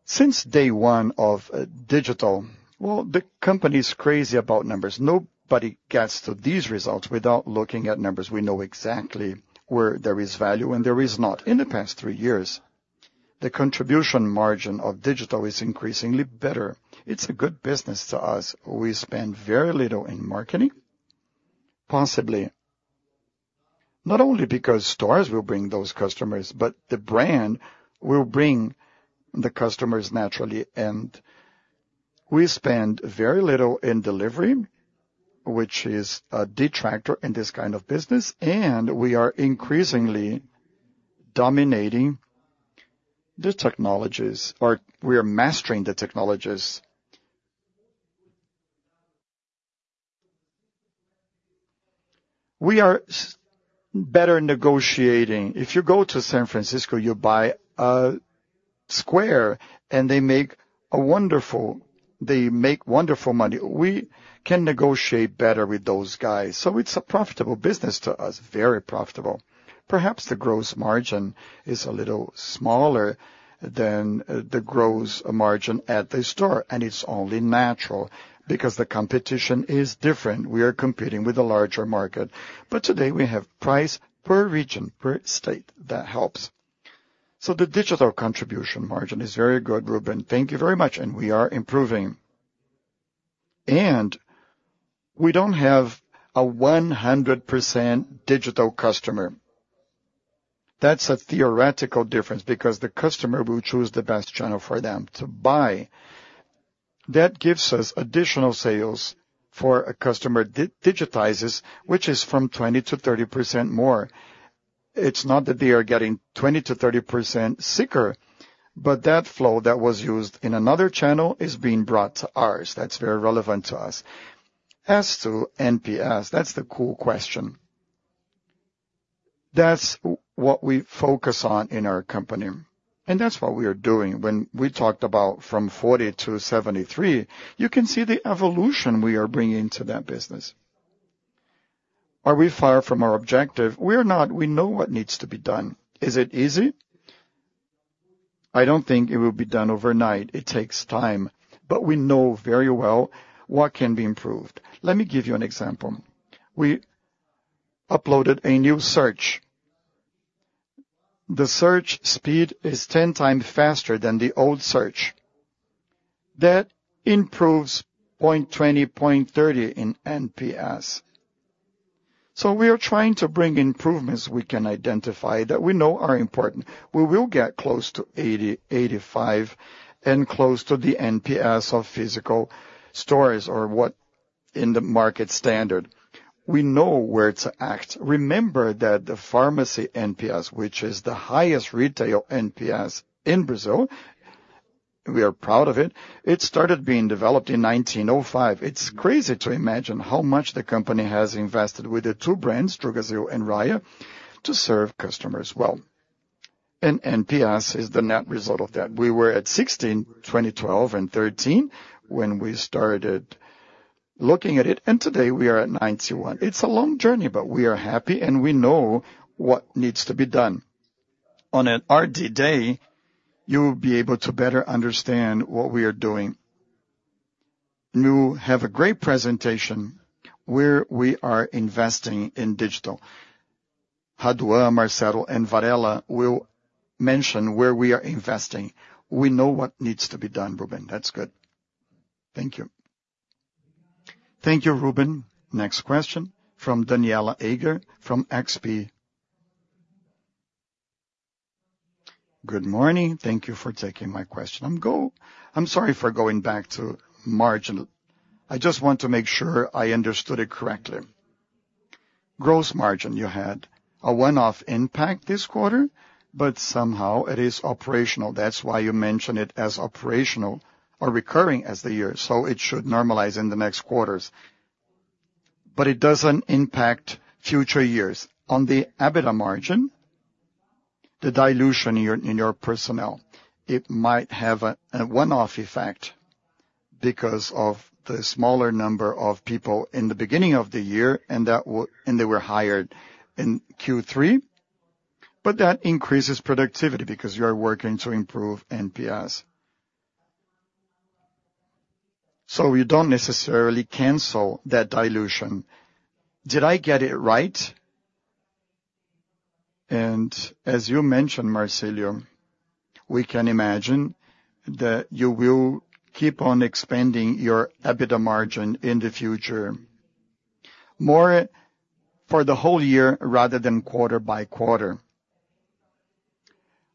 S3: Since day one of digital, well, the company is crazy about numbers. Nobody gets to these results without looking at numbers. We know exactly where there is value and there is not. In the past three years, the contribution margin of digital is increasingly better. It's a good business to us. We spend very little in marketing, possibly not only because stores will bring those customers, but the brand will bring the customers naturally. We spend very little in delivery, which is a detractor in this kind of business, and we are increasingly dominating the technologies or we are mastering the technologies. We are better negotiating. If you go to San Francisco, you buy a square, and they make wonderful money. We can negotiate better with those guys. So it's a profitable business to us, very profitable. Perhaps the gross margin is a little smaller than the gross margin at the store, and it's only natural because the competition is different. We are competing with a larger market. But today, we have price per region, per state. That helps. So the digital contribution margin is very good, Ruben. Thank you very much. And we are improving. And we don't have a 100% digital customer. That's a theoretical difference because the customer will choose the best channel for them to buy. That gives us additional sales for a customer that digitizes, which is 20%-30% more. It's not that they are getting 20%-30% sicker, but that flow that was used in another channel is being brought to ours. That's very relevant to us. As to NPS, that's the cool question. That's what we focus on in our company. And that's what we are doing. When we talked about from 40 to 73, you can see the evolution we are bringing to that business. Are we far from our objective? We are not. We know what needs to be done. Is it easy? I don't think it will be done overnight. It takes time. But we know very well what can be improved. Let me give you an example. We uploaded a new search. The search speed is 10 times faster than the old search. That improves 0.20, 0.30 in NPS, so we are trying to bring improvements we can identify that we know are important. We will get close to 80, 85, and close to the NPS of physical stores or what in the market standard. We know where to act. Remember that the pharmacy NPS, which is the highest retail NPS in Brazil, we are proud of it. It started being developed in 1905. It's crazy to imagine how much the company has invested with the two brands, Drogasil and Raia, to serve customers well, and NPS is the net result of that. We were at 16, 2012, and 13 when we started looking at it, and today we are at 91. It's a long journey, but we are happy, and we know what needs to be done. On an RD Day, you will be able to better understand what we are doing. You have a great presentation where we are investing in digital. Raduan, Marcelo, and Varella will mention where we are investing. We know what needs to be done, Ruben. That's good. Thank you.
S1: Thank you, Ruben. Next question from Daniela Eiger from XP.
S8: Good morning. Thank you for taking my question. I'm sorry for going back to margin. I just want to make sure I understood it correctly. Gross margin, you had a one-off impact this quarter, but somehow it is operational. That's why you mention it as operational or recurring as the year. So it should normalize in the next quarters, but it doesn't impact future years. On the EBITDA margin, the dilution in your personnel, it might have a one-off effect because of the smaller number of people in the beginning of the year, and they were hired in Q3, but that increases productivity because you are working to improve NPS. So you don't necessarily cancel that dilution. Did I get it right? And as you mentioned, Marcilio, we can imagine that you will keep on expanding your EBITDA margin in the future more for the whole year rather than quarter by quarter.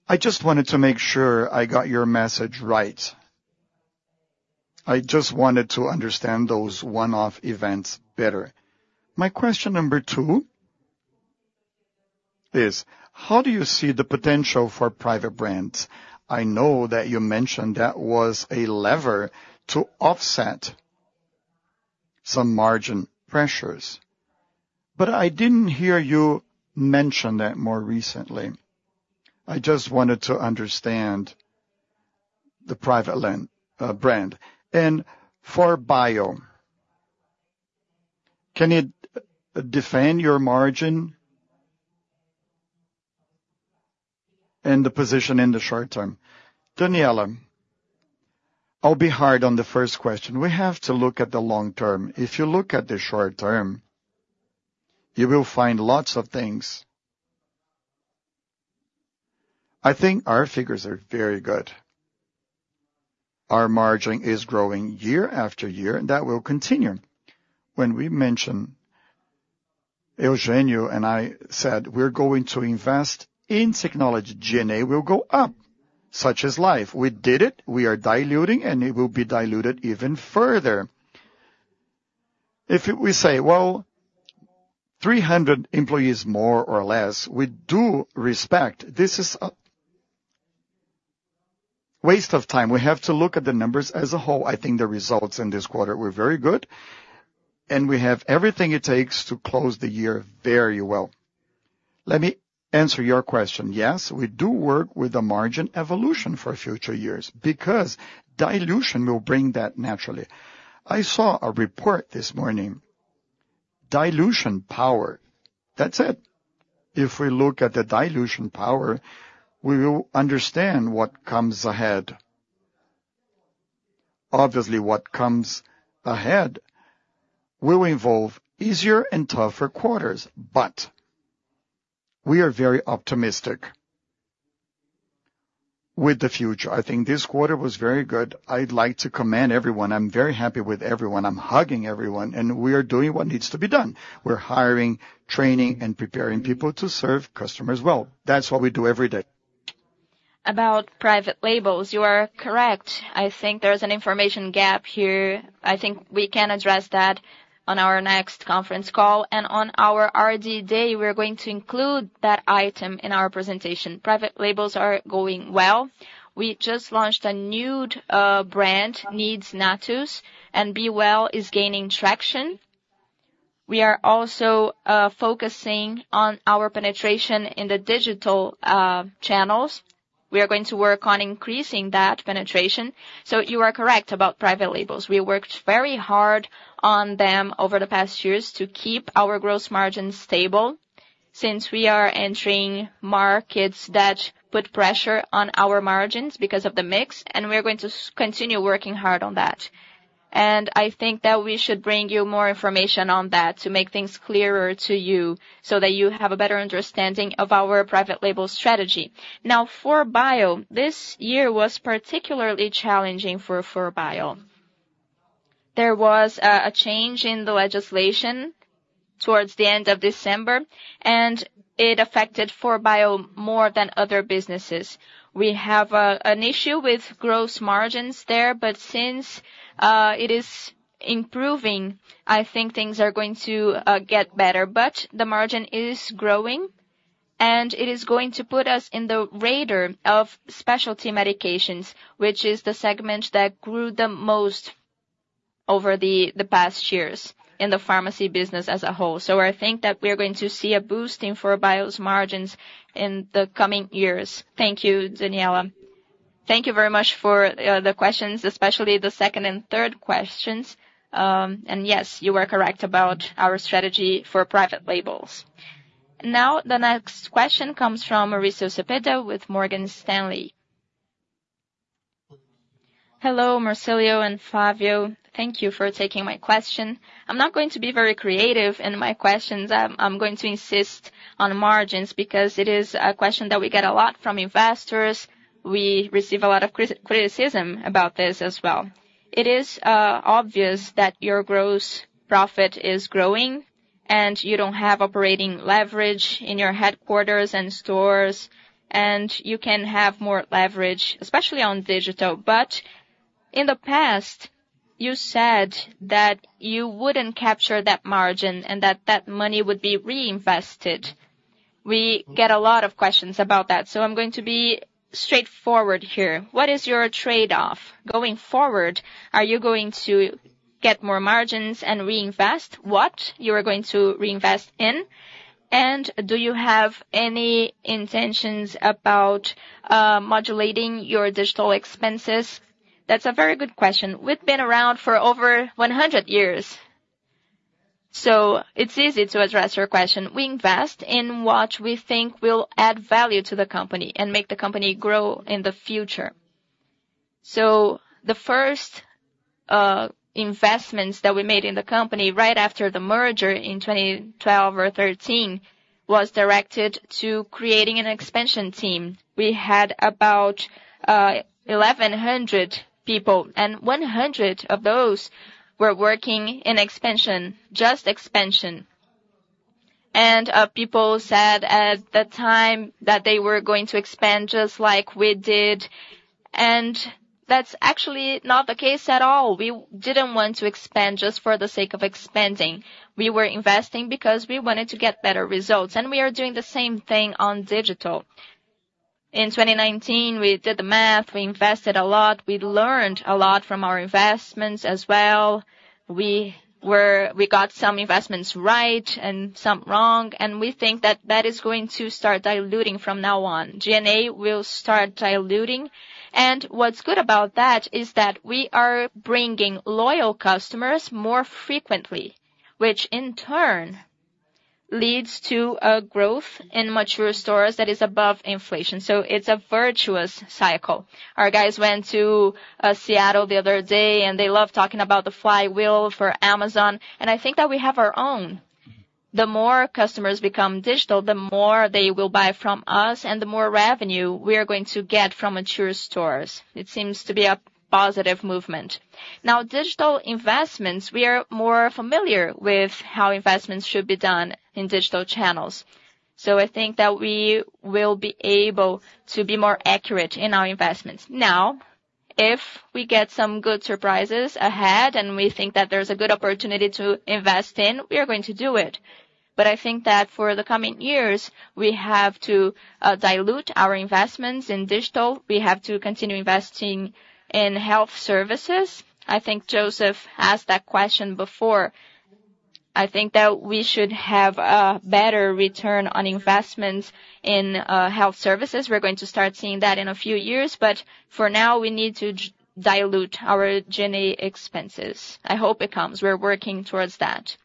S8: I just wanted to make sure I got your message right. I just wanted to understand those one-off events better. My question number two is, how do you see the potential for private brands? I know that you mentioned that was a lever to offset some margin pressures, but I didn't hear you mention that more recently. I just wanted to understand the private brand. And for 4Bio, can it defend your margin and the position in the short term?
S3: Daniela, I'll be hard on the first question. We have to look at the long term. If you look at the short term, you will find lots of things. I think our figures are very good. Our margin is growing year after year, and that will continue. When we mentioned Eugênio and I said, "We're going to invest in technology, G&A will go up. Such is life." We did it. We are diluting, and it will be diluted even further. If we say, "Well, 300 employees more or less, with due respect," this is a waste of time. We have to look at the numbers as a whole. I think the results in this quarter were very good, and we have everything it takes to close the year very well. Let me answer your question. Yes, we do work with the margin evolution for future years because dilution will bring that naturally. I saw a report this morning. Dilution power. That's it. If we look at the dilution power, we will understand what comes ahead. Obviously, what comes ahead will involve easier and tougher quarters, but we are very optimistic with the future. I think this quarter was very good. I'd like to commend everyone. I'm very happy with everyone. I'm hugging everyone, and we are doing what needs to be done. We're hiring, training, and preparing people to serve customers well. That's what we do every day.
S2: About private labels, you are correct. I think there's an information gap here. I think we can address that on our next conference call, and on our RD Day, we're going to include that item in our presentation. Private labels are going well. We just launched a new brand, Needs Natos, and B-Well is gaining traction. We are also focusing on our penetration in the digital channels. We are going to work on increasing that penetration, so you are correct about private labels. We worked very hard on them over the past years to keep our gross margin stable since we are entering markets that put pressure on our margins because of the mix, and we're going to continue working hard on that, and I think that we should bring you more information on that to make things clearer to you so that you have a better understanding of our private label strategy. Now, for 4Bio, this year was particularly challenging for 4Bio. There was a change in the legislation towards the end of December, and it affected 4Bio more than other businesses. We have an issue with gross margins there, but since it is improving, I think things are going to get better. But the margin is growing, and it is going to put us in the radar of specialty medications, which is the segment that grew the most over the past years in the pharmacy business as a whole. So I think that we're going to see a boost in 4Bio's margins in the coming years. Thank you, Daniela. Thank you very much for the questions, especially the second and third questions. And yes, you are correct about our strategy for private labels.
S1: Now, the next question comes from Mauricio Cepeda with Morgan Stanley.
S9: Hello, Marcilio and Flavio. Thank you for taking my question. I'm not going to be very creative in my questions. I'm going to insist on margins because it is a question that we get a lot from investors. We receive a lot of criticism about this as well. It is obvious that your gross profit is growing, and you don't have operating leverage in your headquarters and stores, and you can have more leverage, especially on digital. But in the past, you said that you wouldn't capture that margin and that that money would be reinvested. We get a lot of questions about that. So I'm going to be straightforward here. What is your trade-off? Going forward, are you going to get more margins and reinvest what you are going to reinvest in? And do you have any intentions about modulating your digital expenses?
S3: That's a very good question. We've been around for over 100 years. It's easy to address your question. We invest in what we think will add value to the company and make the company grow in the future. The first investments that we made in the company right after the merger in 2012 or 2013 was directed to creating an expansion team. We had about 1,100 people, and 100 of those were working in expansion, just expansion. And people said at the time that they were going to expand just like we did. And that's actually not the case at all. We didn't want to expand just for the sake of expanding. We were investing because we wanted to get better results. And we are doing the same thing on digital. In 2019, we did the math. We invested a lot. We learned a lot from our investments as well. We got some investments right and some wrong. We think that that is going to start diluting from now on. G&A will start diluting. What's good about that is that we are bringing loyal customers more frequently, which in turn leads to a growth in mature stores that is above inflation. It's a virtuous cycle. Our guys went to Seattle the other day, and they love talking about the flywheel for Amazon. I think that we have our own. The more customers become digital, the more they will buy from us, and the more revenue we are going to get from mature stores. It seems to be a positive movement. Now, digital investments, we are more familiar with how investments should be done in digital channels. I think that we will be able to be more accurate in our investments. Now, if we get some good surprises ahead and we think that there's a good opportunity to invest in, we are going to do it. But I think that for the coming years, we have to dilute our investments in digital. We have to continue investing in health services. I think Joseph asked that question before. I think that we should have a better return on investments in health services. We're going to start seeing that in a few years, but for now, we need to dilute our G&A expenses. I hope it comes. We're working towards that,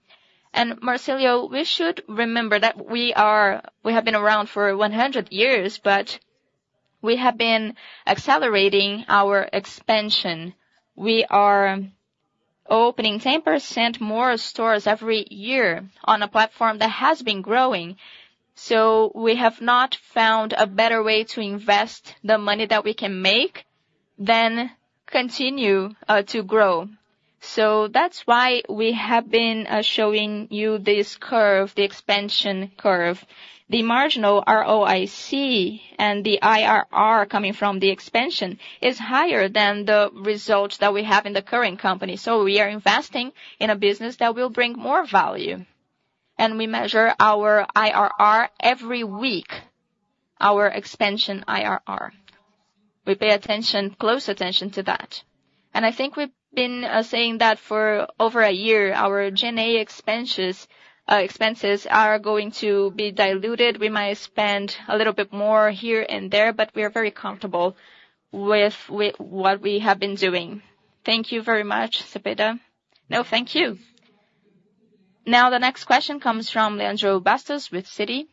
S3: and Marcilio, we should remember that we have been around for 100 years, but we have been accelerating our expansion. We are opening 10% more stores every year on a platform that has been growing. So we have not found a better way to invest the money that we can make than continue to grow. So that's why we have been showing you this curve, the expansion curve. The marginal ROIC and the IRR coming from the expansion is higher than the results that we have in the current company. So we are investing in a business that will bring more value. And we measure our IRR every week, our expansion IRR. We pay close attention to that. And I think we've been saying that for over a year, our G&A expenses are going to be diluted. We might spend a little bit more here and there, but we are very comfortable with what we have been doing. Thank you very much, Cepeda.
S9: No, thank you.
S1: Now, the next question comes from Leandro Bastos with Citi.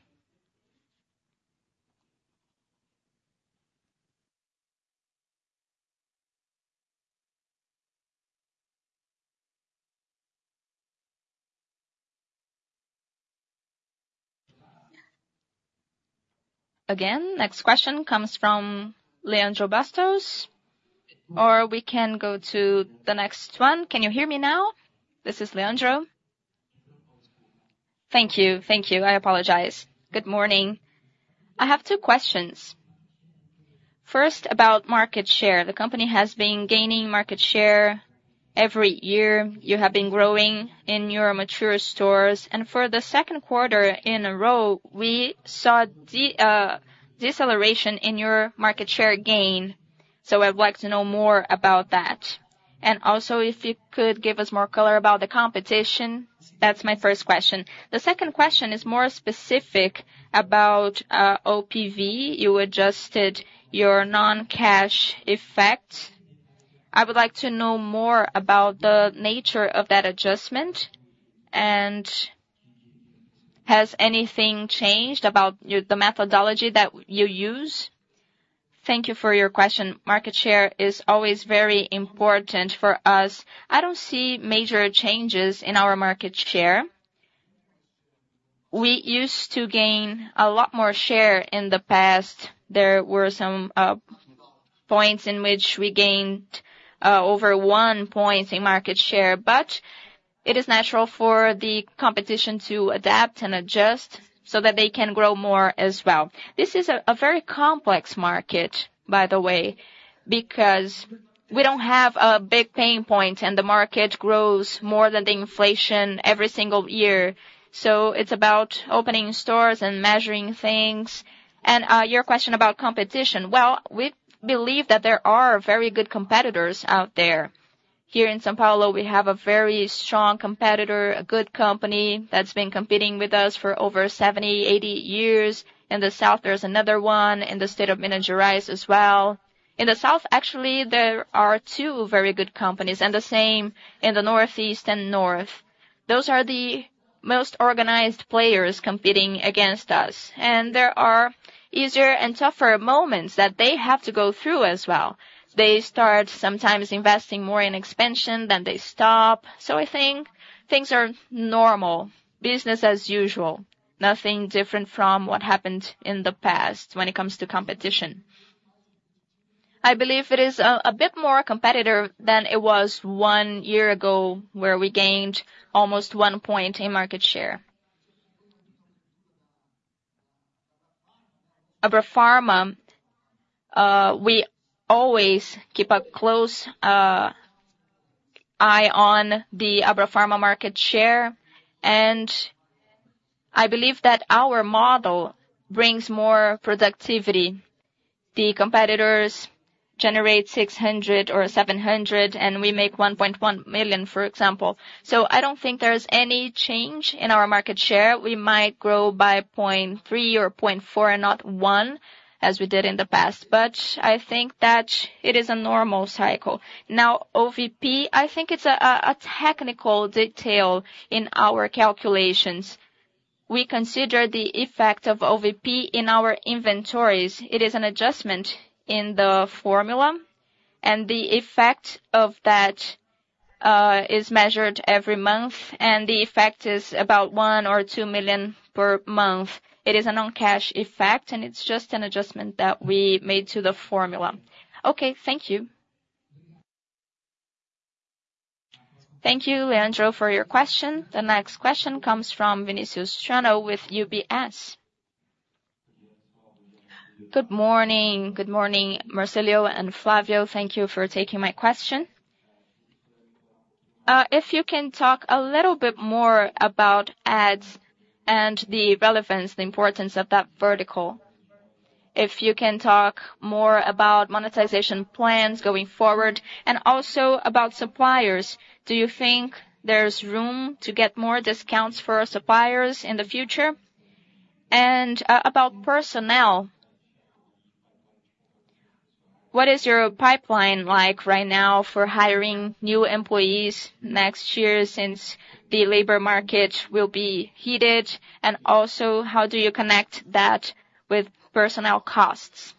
S1: Again, next question comes from Leandro Bastos, or we can go to the next one.
S10: Can you hear me now? This is Leandro. Thank you. Thank you. I apologize. Good morning. I have two questions. First, about market share. The company has been gaining market share every year. You have been growing in your mature stores. And for the second quarter in a row, we saw deceleration in your market share gain. So I'd like to know more about that. And also, if you could give us more color about the competition, that's my first question. The second question is more specific about OPV, your adjusted non-cash effect. I would like to know more about the nature of that adjustment and has anything changed about the methodology that you use.
S2: Thank you for your question. Market share is always very important for us. I don't see major changes in our market share. We used to gain a lot more share in the past. There were some points in which we gained over one point in market share, but it is natural for the competition to adapt and adjust so that they can grow more as well. This is a very complex market, by the way, because we don't have a big pain point, and the market grows more than the inflation every single year. So it's about opening stores and measuring things. And your question about competition, well, we believe that there are very good competitors out there. Here in São Paulo, we have a very strong competitor, a good company that's been competing with us for over 70,80 years. In the south, there's another one in the state of Minas Gerais as well. In the south, actually, there are two very good companies and the same in the Northeast and North. Those are the most organized players competing against us. And there are easier and tougher moments that they have to go through as well. They start sometimes investing more in expansion than they stop. So I think things are normal, business as usual, nothing different from what happened in the past when it comes to competition. I believe it is a bit more competitive than it was one year ago where we gained almost one point in market share. Abrafarma, we always keep a close eye on the Abrafarma market share. And I believe that our model brings more productivity. The competitors generate 600 or 700, and we make 1.1 million, for example. So I don't think there's any change in our market share. We might grow by 0.3 or 0.4 and not one as we did in the past, but I think that it is a normal cycle. Now, OVP, I think it's a technical detail in our calculations. We consider the effect of OVP in our inventories. It is an adjustment in the formula, and the effect of that is measured every month, and the effect is about 1 million or 2 million per month. It is a non-cash effect, and it's just an adjustment that we made to the formula.
S10: Okay, thank you.
S1: Thank you, Leandro, for your question. The next question comes from Vinicius Strano with UBS.
S11: Good morning. Good morning, Marcilio and Flavio. Thank you for taking my question. If you can talk a little bit more about ads and the relevance, the importance of that vertical. If you can talk more about monetization plans going forward and also about suppliers, do you think there's room to get more discounts for suppliers in the future? And about personnel, what is your pipeline like right now for hiring new employees next year since the labor market will be heated? And also, how do you connect that with personnel costs?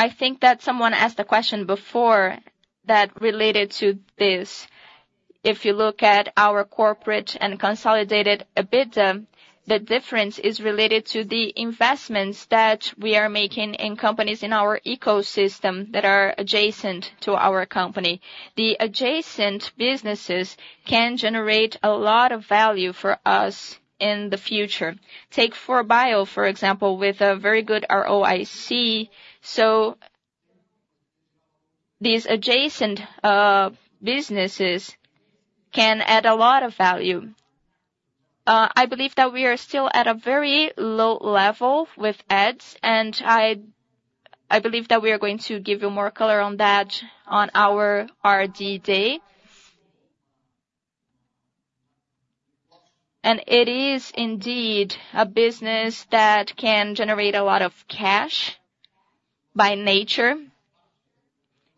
S2: I think that someone asked the question before that related to this. If you look at our corporate and consolidated EBITDA, the difference is related to the investments that we are making in companies in our ecosystem that are adjacent to our company. The adjacent businesses can generate a lot of value for us in the future. Take 4Bio, for example, with a very good ROIC. So these adjacent businesses can add a lot of value. I believe that we are still at a very low level with ads, and I believe that we are going to give you more color on that on our RD Day. And it is indeed a business that can generate a lot of cash by nature.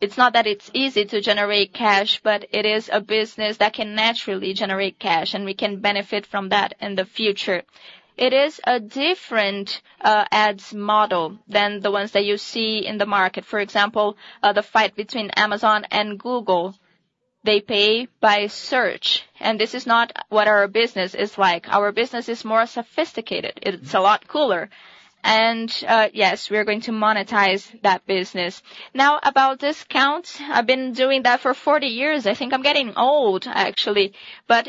S2: It's not that it's easy to generate cash, but it is a business that can naturally generate cash, and we can benefit from that in the future. It is a different ads model than the ones that you see in the market. For example, the fight between Amazon and Google, they pay by search. And this is not what our business is like. Our business is more sophisticated. It's a lot cooler. And yes, we're going to monetize that business. Now, about discounts, I've been doing that for 40 years. I think I'm getting old, actually.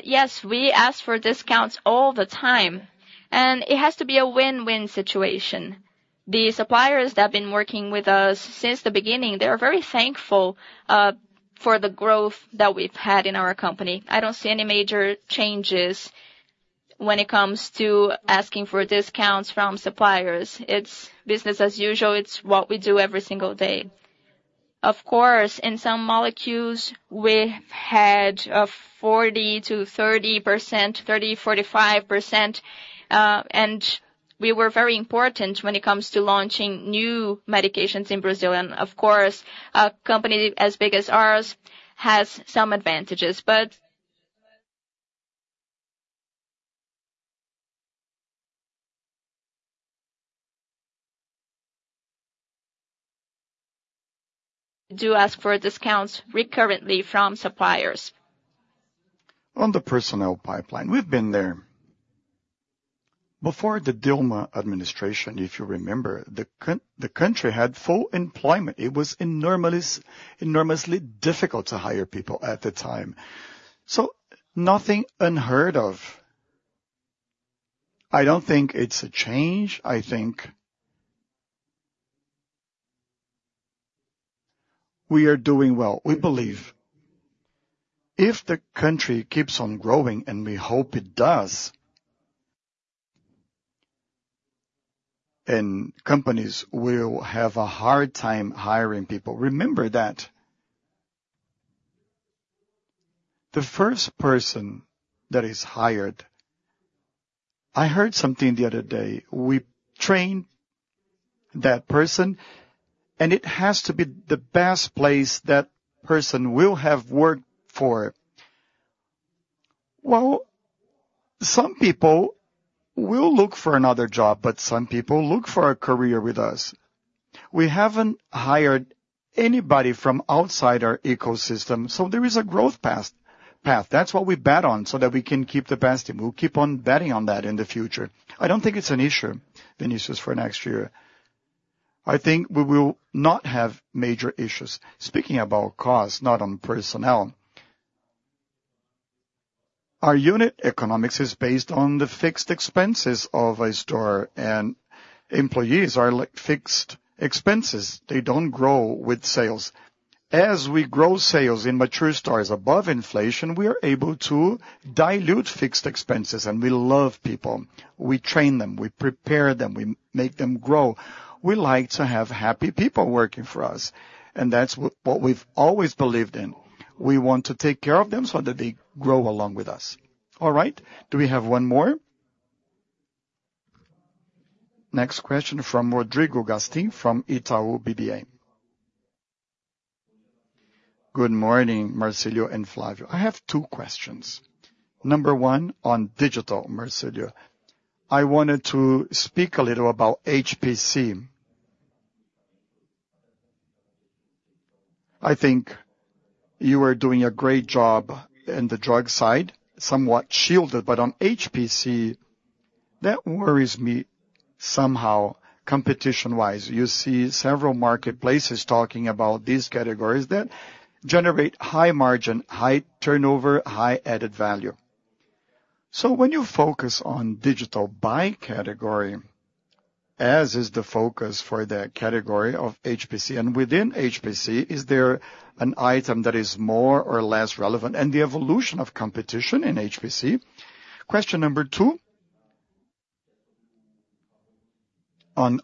S2: Yes, we ask for discounts all the time. And it has to be a win-win situation. The suppliers that have been working with us since the beginning, they are very thankful for the growth that we've had in our company. I don't see any major changes when it comes to asking for discounts from suppliers. It's business as usual. It's what we do every single day. Of course, in some molecules, we've had a 40%-30%, 30, 45%. And we were very important when it comes to launching new medications in Brazil. And of course, a company as big as ours has some advantages. But do you ask for discounts recurrently from suppliers?
S3: On the personnel pipeline, we've been there. Before the Dilma administration, if you remember, the country had full employment. It was enormously difficult to hire people at the time. So nothing unheard of. I don't think it's a change. I think we are doing well. We believe if the country keeps on growing, and we hope it does, and companies will have a hard time hiring people, remember that. The first person that is hired, I heard something the other day. We train that person, and it has to be the best place that person will have worked for. Well, some people will look for another job, but some people look for a career with us. We haven't hired anybody from outside our ecosystem. So there is a growth path. That's what we bet on so that we can keep the best. We'll keep on betting on that in the future. I don't think it's an issue, Vinicius, for next year. I think we will not have major issues. Speaking about costs, not on personnel, our unit economics is based on the fixed expenses of a store, and employees are fixed expenses. They don't grow with sales. As we grow sales in mature stores above inflation, we are able to dilute fixed expenses, and we love people. We train them. We prepare them. We make them grow. We like to have happy people working for us. And that's what we've always believed in. We want to take care of them so that they grow along with us.
S1: All right. Do we have one more? Next question from Rodrigo Gastim from Itaú BBA.
S12: Good morning, Marcilio and Flavio. I have two questions. Number one on digital, Marcilio. I wanted to speak a little about HPC. I think you are doing a great job in the drug side, somewhat shielded, but on HPC, that worries me somehow competition-wise. You see several marketplaces talking about these categories that generate high margin, high turnover, high added value. So when you focus on digital by category, as is the focus for the category of HPC, and within HPC, is there an item that is more or less relevant? And the evolution of competition in HPC? Question number two on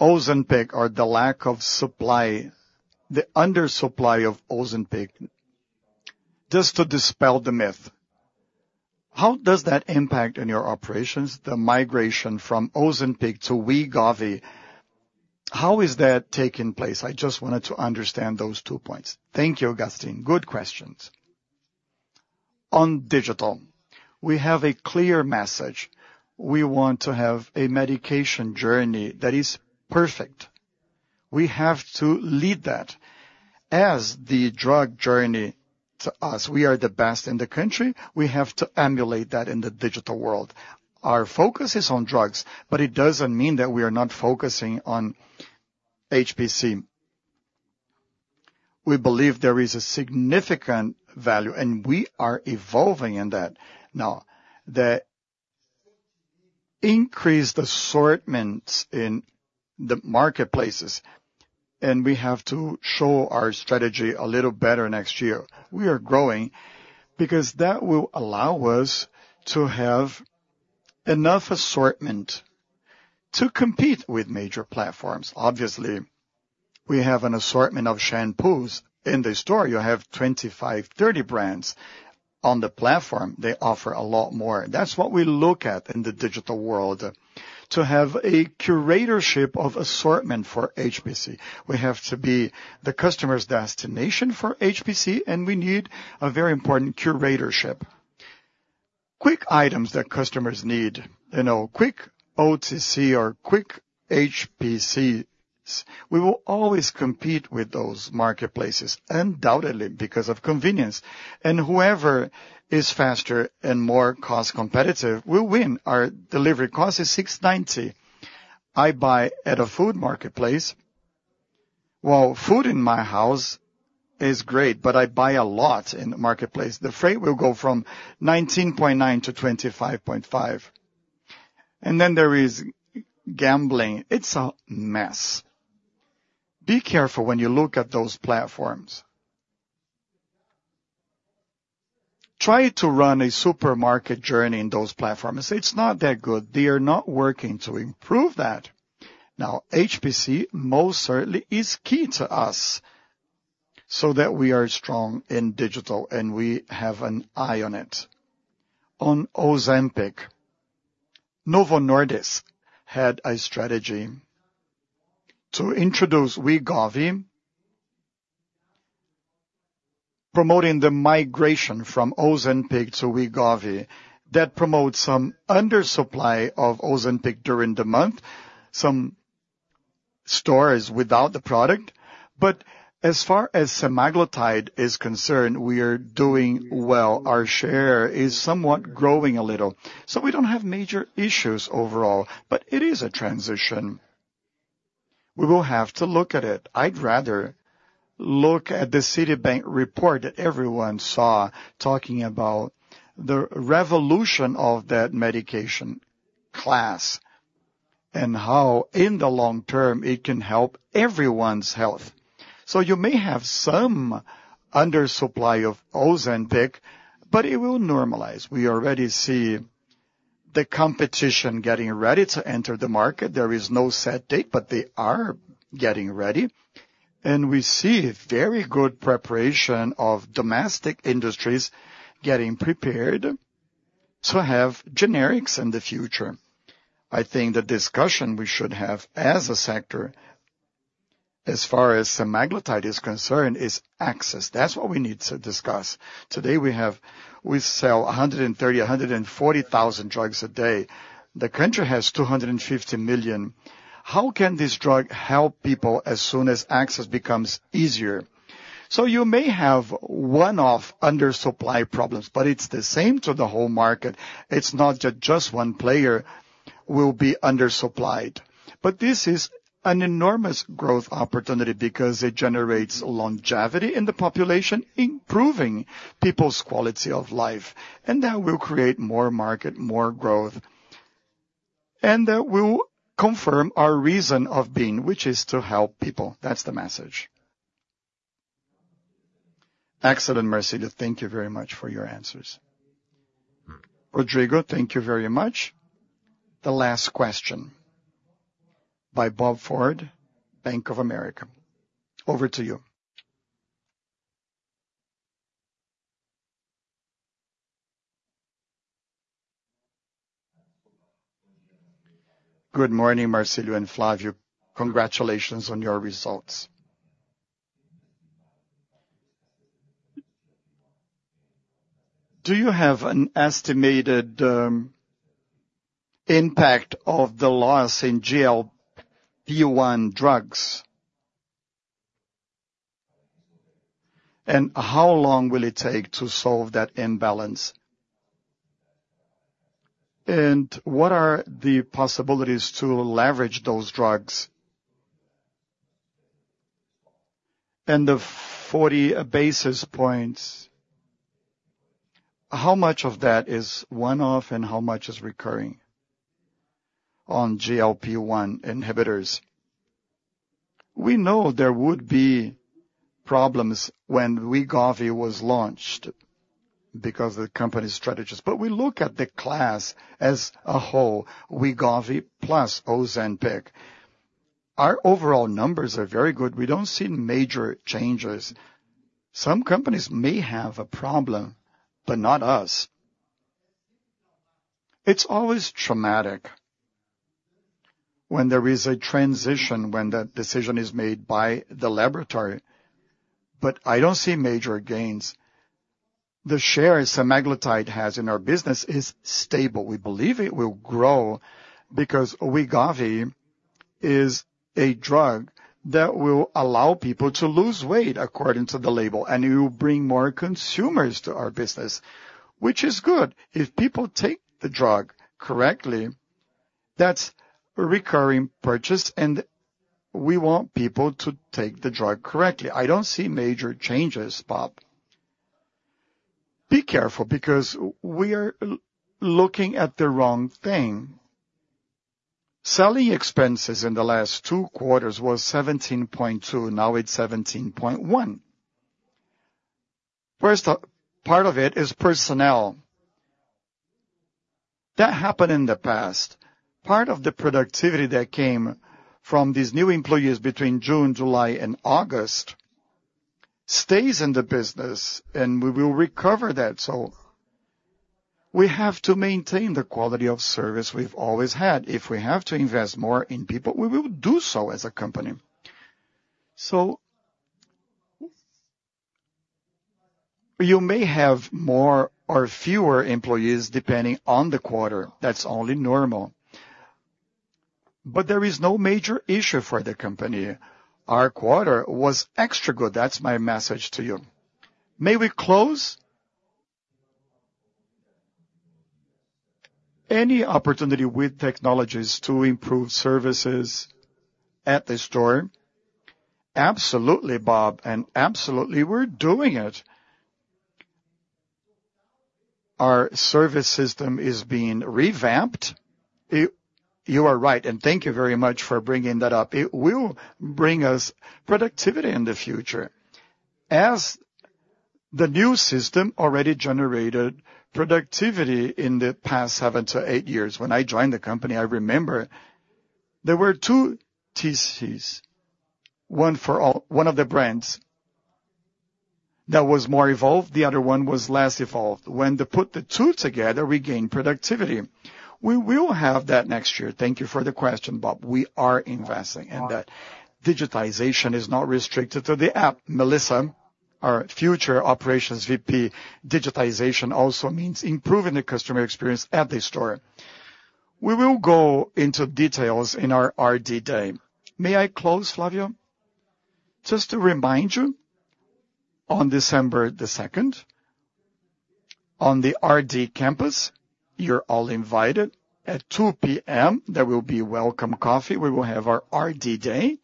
S12: Ozempic or the lack of supply, the undersupply of Ozempic, just to dispel the myth. How does that impact in your operations, the migration from Ozempic to Wegovy? How is that taking place? I just wanted to understand those two points.
S2: Thank you, Gastim. Good questions. On digital, we have a clear message. We want to have a medication journey that is perfect. We have to lead that as the drug journey to us. We are the best in the country. We have to emulate that in the digital world. Our focus is on drugs, but it doesn't mean that we are not focusing on HPC. We believe there is a significant value, and we are evolving in that. Now, the increased assortments in the marketplaces, and we have to show our strategy a little better next year. We are growing because that will allow us to have enough assortment to compete with major platforms. Obviously, we have an assortment of shampoos in the store. You have 25, 30 brands on the platform. They offer a lot more. That's what we look at in the digital world, to have a curatorship of assortment for HPC. We have to be the customer's destination for HPC, and we need a very important curatorship. Quick items that customers need, quick OTC or quick HPCs, we will always compete with those marketplaces, undoubtedly, because of convenience. Whoever is faster and more cost-competitive will win. Our delivery cost is 690. I buy at a food marketplace. Food in my house is great, but I buy a lot in the marketplace. The freight will go from 19.9-25.5. And then there is gambling. It's a mess. Be careful when you look at those platforms. Try to run a supermarket journey in those platforms. It's not that good. They are not working to improve that. Now, HPC most certainly is key to us so that we are strong in digital and we have an eye on it. On Ozempic, Novo Nordisk had a strategy to introduce Wegovy, promoting the migration from Ozempic to Wegovy that promotes some undersupply of Ozempic during the month, some stores without the product. But as far as semaglutide is concerned, we are doing well. Our share is somewhat growing a little. So we don't have major issues overall, but it is a transition. We will have to look at it. I'd rather look at the Citibank report that everyone saw talking about the revolution of that medication class and how in the long term it can help everyone's health. So you may have some undersupply of Ozempic, but it will normalize. We already see the competition getting ready to enter the market. There is no set date, but they are getting ready. And we see very good preparation of domestic industries getting prepared to have generics in the future. I think the discussion we should have as a sector, as far as semaglutide is concerned, is access. That's what we need to discuss. Today, we sell 130,000, 140,000 drugs a day. The country has 250 million. How can this drug help people as soon as access becomes easier? So you may have one-off undersupply problems, but it's the same to the whole market. It's not that just one player will be undersupplied. But this is an enormous growth opportunity because it generates longevity in the population, improving people's quality of life. And that will create more market, more growth. And that will confirm our reason of being, which is to help people. That's the message.
S12: Excellent, Marcilio. Thank you very much for your answers.
S2: Rodrigo, thank you very much.
S1: The last question by Bob Ford, Banc of America. Over to you.
S13: Good morning, Marcilio and Flavio. Congratulations on your results. Do you have an estimated impact of the loss in GLP-1 drugs? And how long will it take to solve that imbalance? And what are the possibilities to leverage those drugs? The 40 basis points, how much of that is one-off and how much is recurring on GLP-1 inhibitors?
S3: We know there would be problems when Wegovy was launched because of the company's strategies. We look at the class as a whole, Wegovy plus Ozempic. Our overall numbers are very good. We don't see major changes. Some companies may have a problem, but not us. It's always traumatic when there is a transition, when that decision is made by the laboratory. I don't see major gains. The share semaglutide has in our business is stable. We believe it will grow because Wegovy is a drug that will allow people to lose weight according to the label. It will bring more consumers to our business, which is good. If people take the drug correctly, that's a recurring purchase. We want people to take the drug correctly. I don't see major changes, Bob. Be careful because we are looking at the wrong thing. Selling expenses in the last two quarters was 17.2%. Now it's 17.1%. First part of it is personnel. That happened in the past. Part of the productivity that came from these new employees between June, July, and August stays in the business, and we will recover that. So we have to maintain the quality of service we've always had. If we have to invest more in people, we will do so as a company. So you may have more or fewer employees depending on the quarter. That's only normal. But there is no major issue for the company. Our quarter was extra good. That's my message to you. May we close?
S13: Any opportunity with technologies to improve services at the store?
S3: Absolutely, Bob. And absolutely, we're doing it.
S13: Our service system is being revamped.
S3: You are right, and thank you very much for bringing that up. It will bring us productivity in the future. As the new system already generated productivity in the past seven to eight years, when I joined the company, I remember there were two TCs, one for one of the brands that was more evolved. The other one was less evolved. When they put the two together, we gained productivity. We will have that next year. Thank you for the question, Bob. We are investing in that. Digitization is not restricted to the app. Melissa, our future operations VP, digitization also means improving the customer experience at the store. We will go into details in our RD day.
S2: May I close, Flavio? Just to remind you, on December 2nd, on the RD campus, you're all invited at 2:00 P.M. There will be welcome coffee. We will have our RD day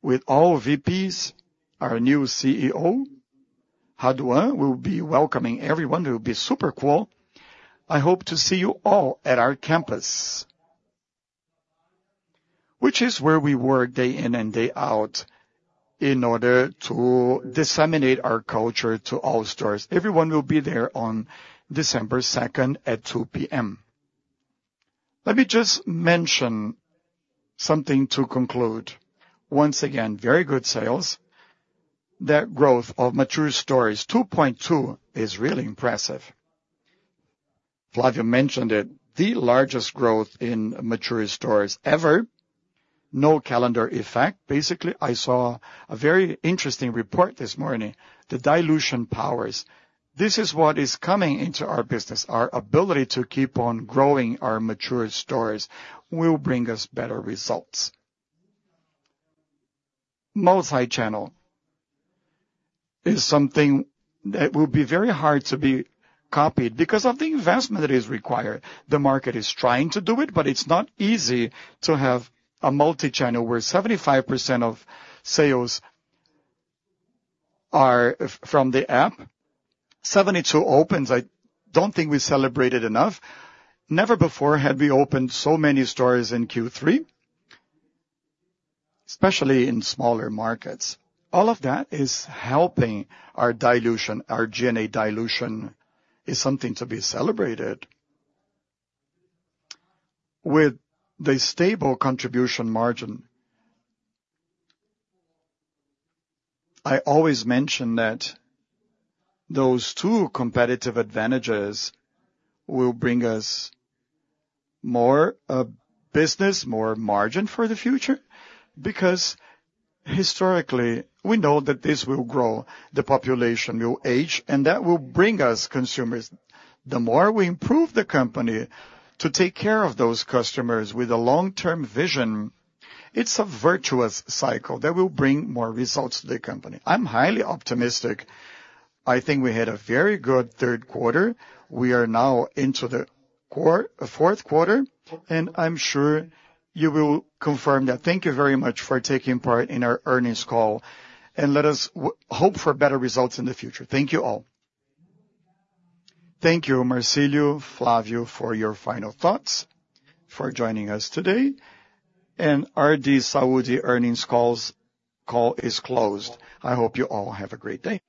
S2: with all VPs, our new CEO, Renato Raduan. We'll be welcoming everyone. It will be super cool. I hope to see you all at our campus, which is where we work day in and day out in order to disseminate our culture to all stores. Everyone will be there on December 2nd at 2:00 P.M. Let me just mention something to conclude. Once again, very good sales. That growth of mature stores, 2.2, is really impressive. Flavio mentioned it, the largest growth in mature stores ever. No calendar effect. Basically, I saw a very interesting report this morning. The digital powers. This is what is coming into our business. Our ability to keep on growing our mature stores will bring us better results. Multi-channel is something that will be very hard to be copied because of the investment that is required. The market is trying to do it, but it's not easy to have a multi-channel where 75% of sales are from the app. 72 opens. I don't think we celebrated enough. Never before had we opened so many stores in Q3, especially in smaller markets. All of that is helping our dilution. Our DNA dilution is something to be celebrated. With the stable contribution margin, I always mention that those two competitive advantages will bring us more business, more margin for the future because historically, we know that this will grow. The population will age, and that will bring us consumers. The more we improve the company to take care of those customers with a long-term vision, it's a virtuous cycle that will bring more results to the company. I'm highly optimistic. I think we had a very good third quarter. We are now into the fourth quarter, and I'm sure you will confirm that. Thank you very much for taking part in our earnings call, and let us hope for better results in the future. Thank you all.
S1: Thank you, Marcílio, Flávio, for your final thoughts, for joining us today, and RD Saúde earnings call is closed. I hope you all have a great day.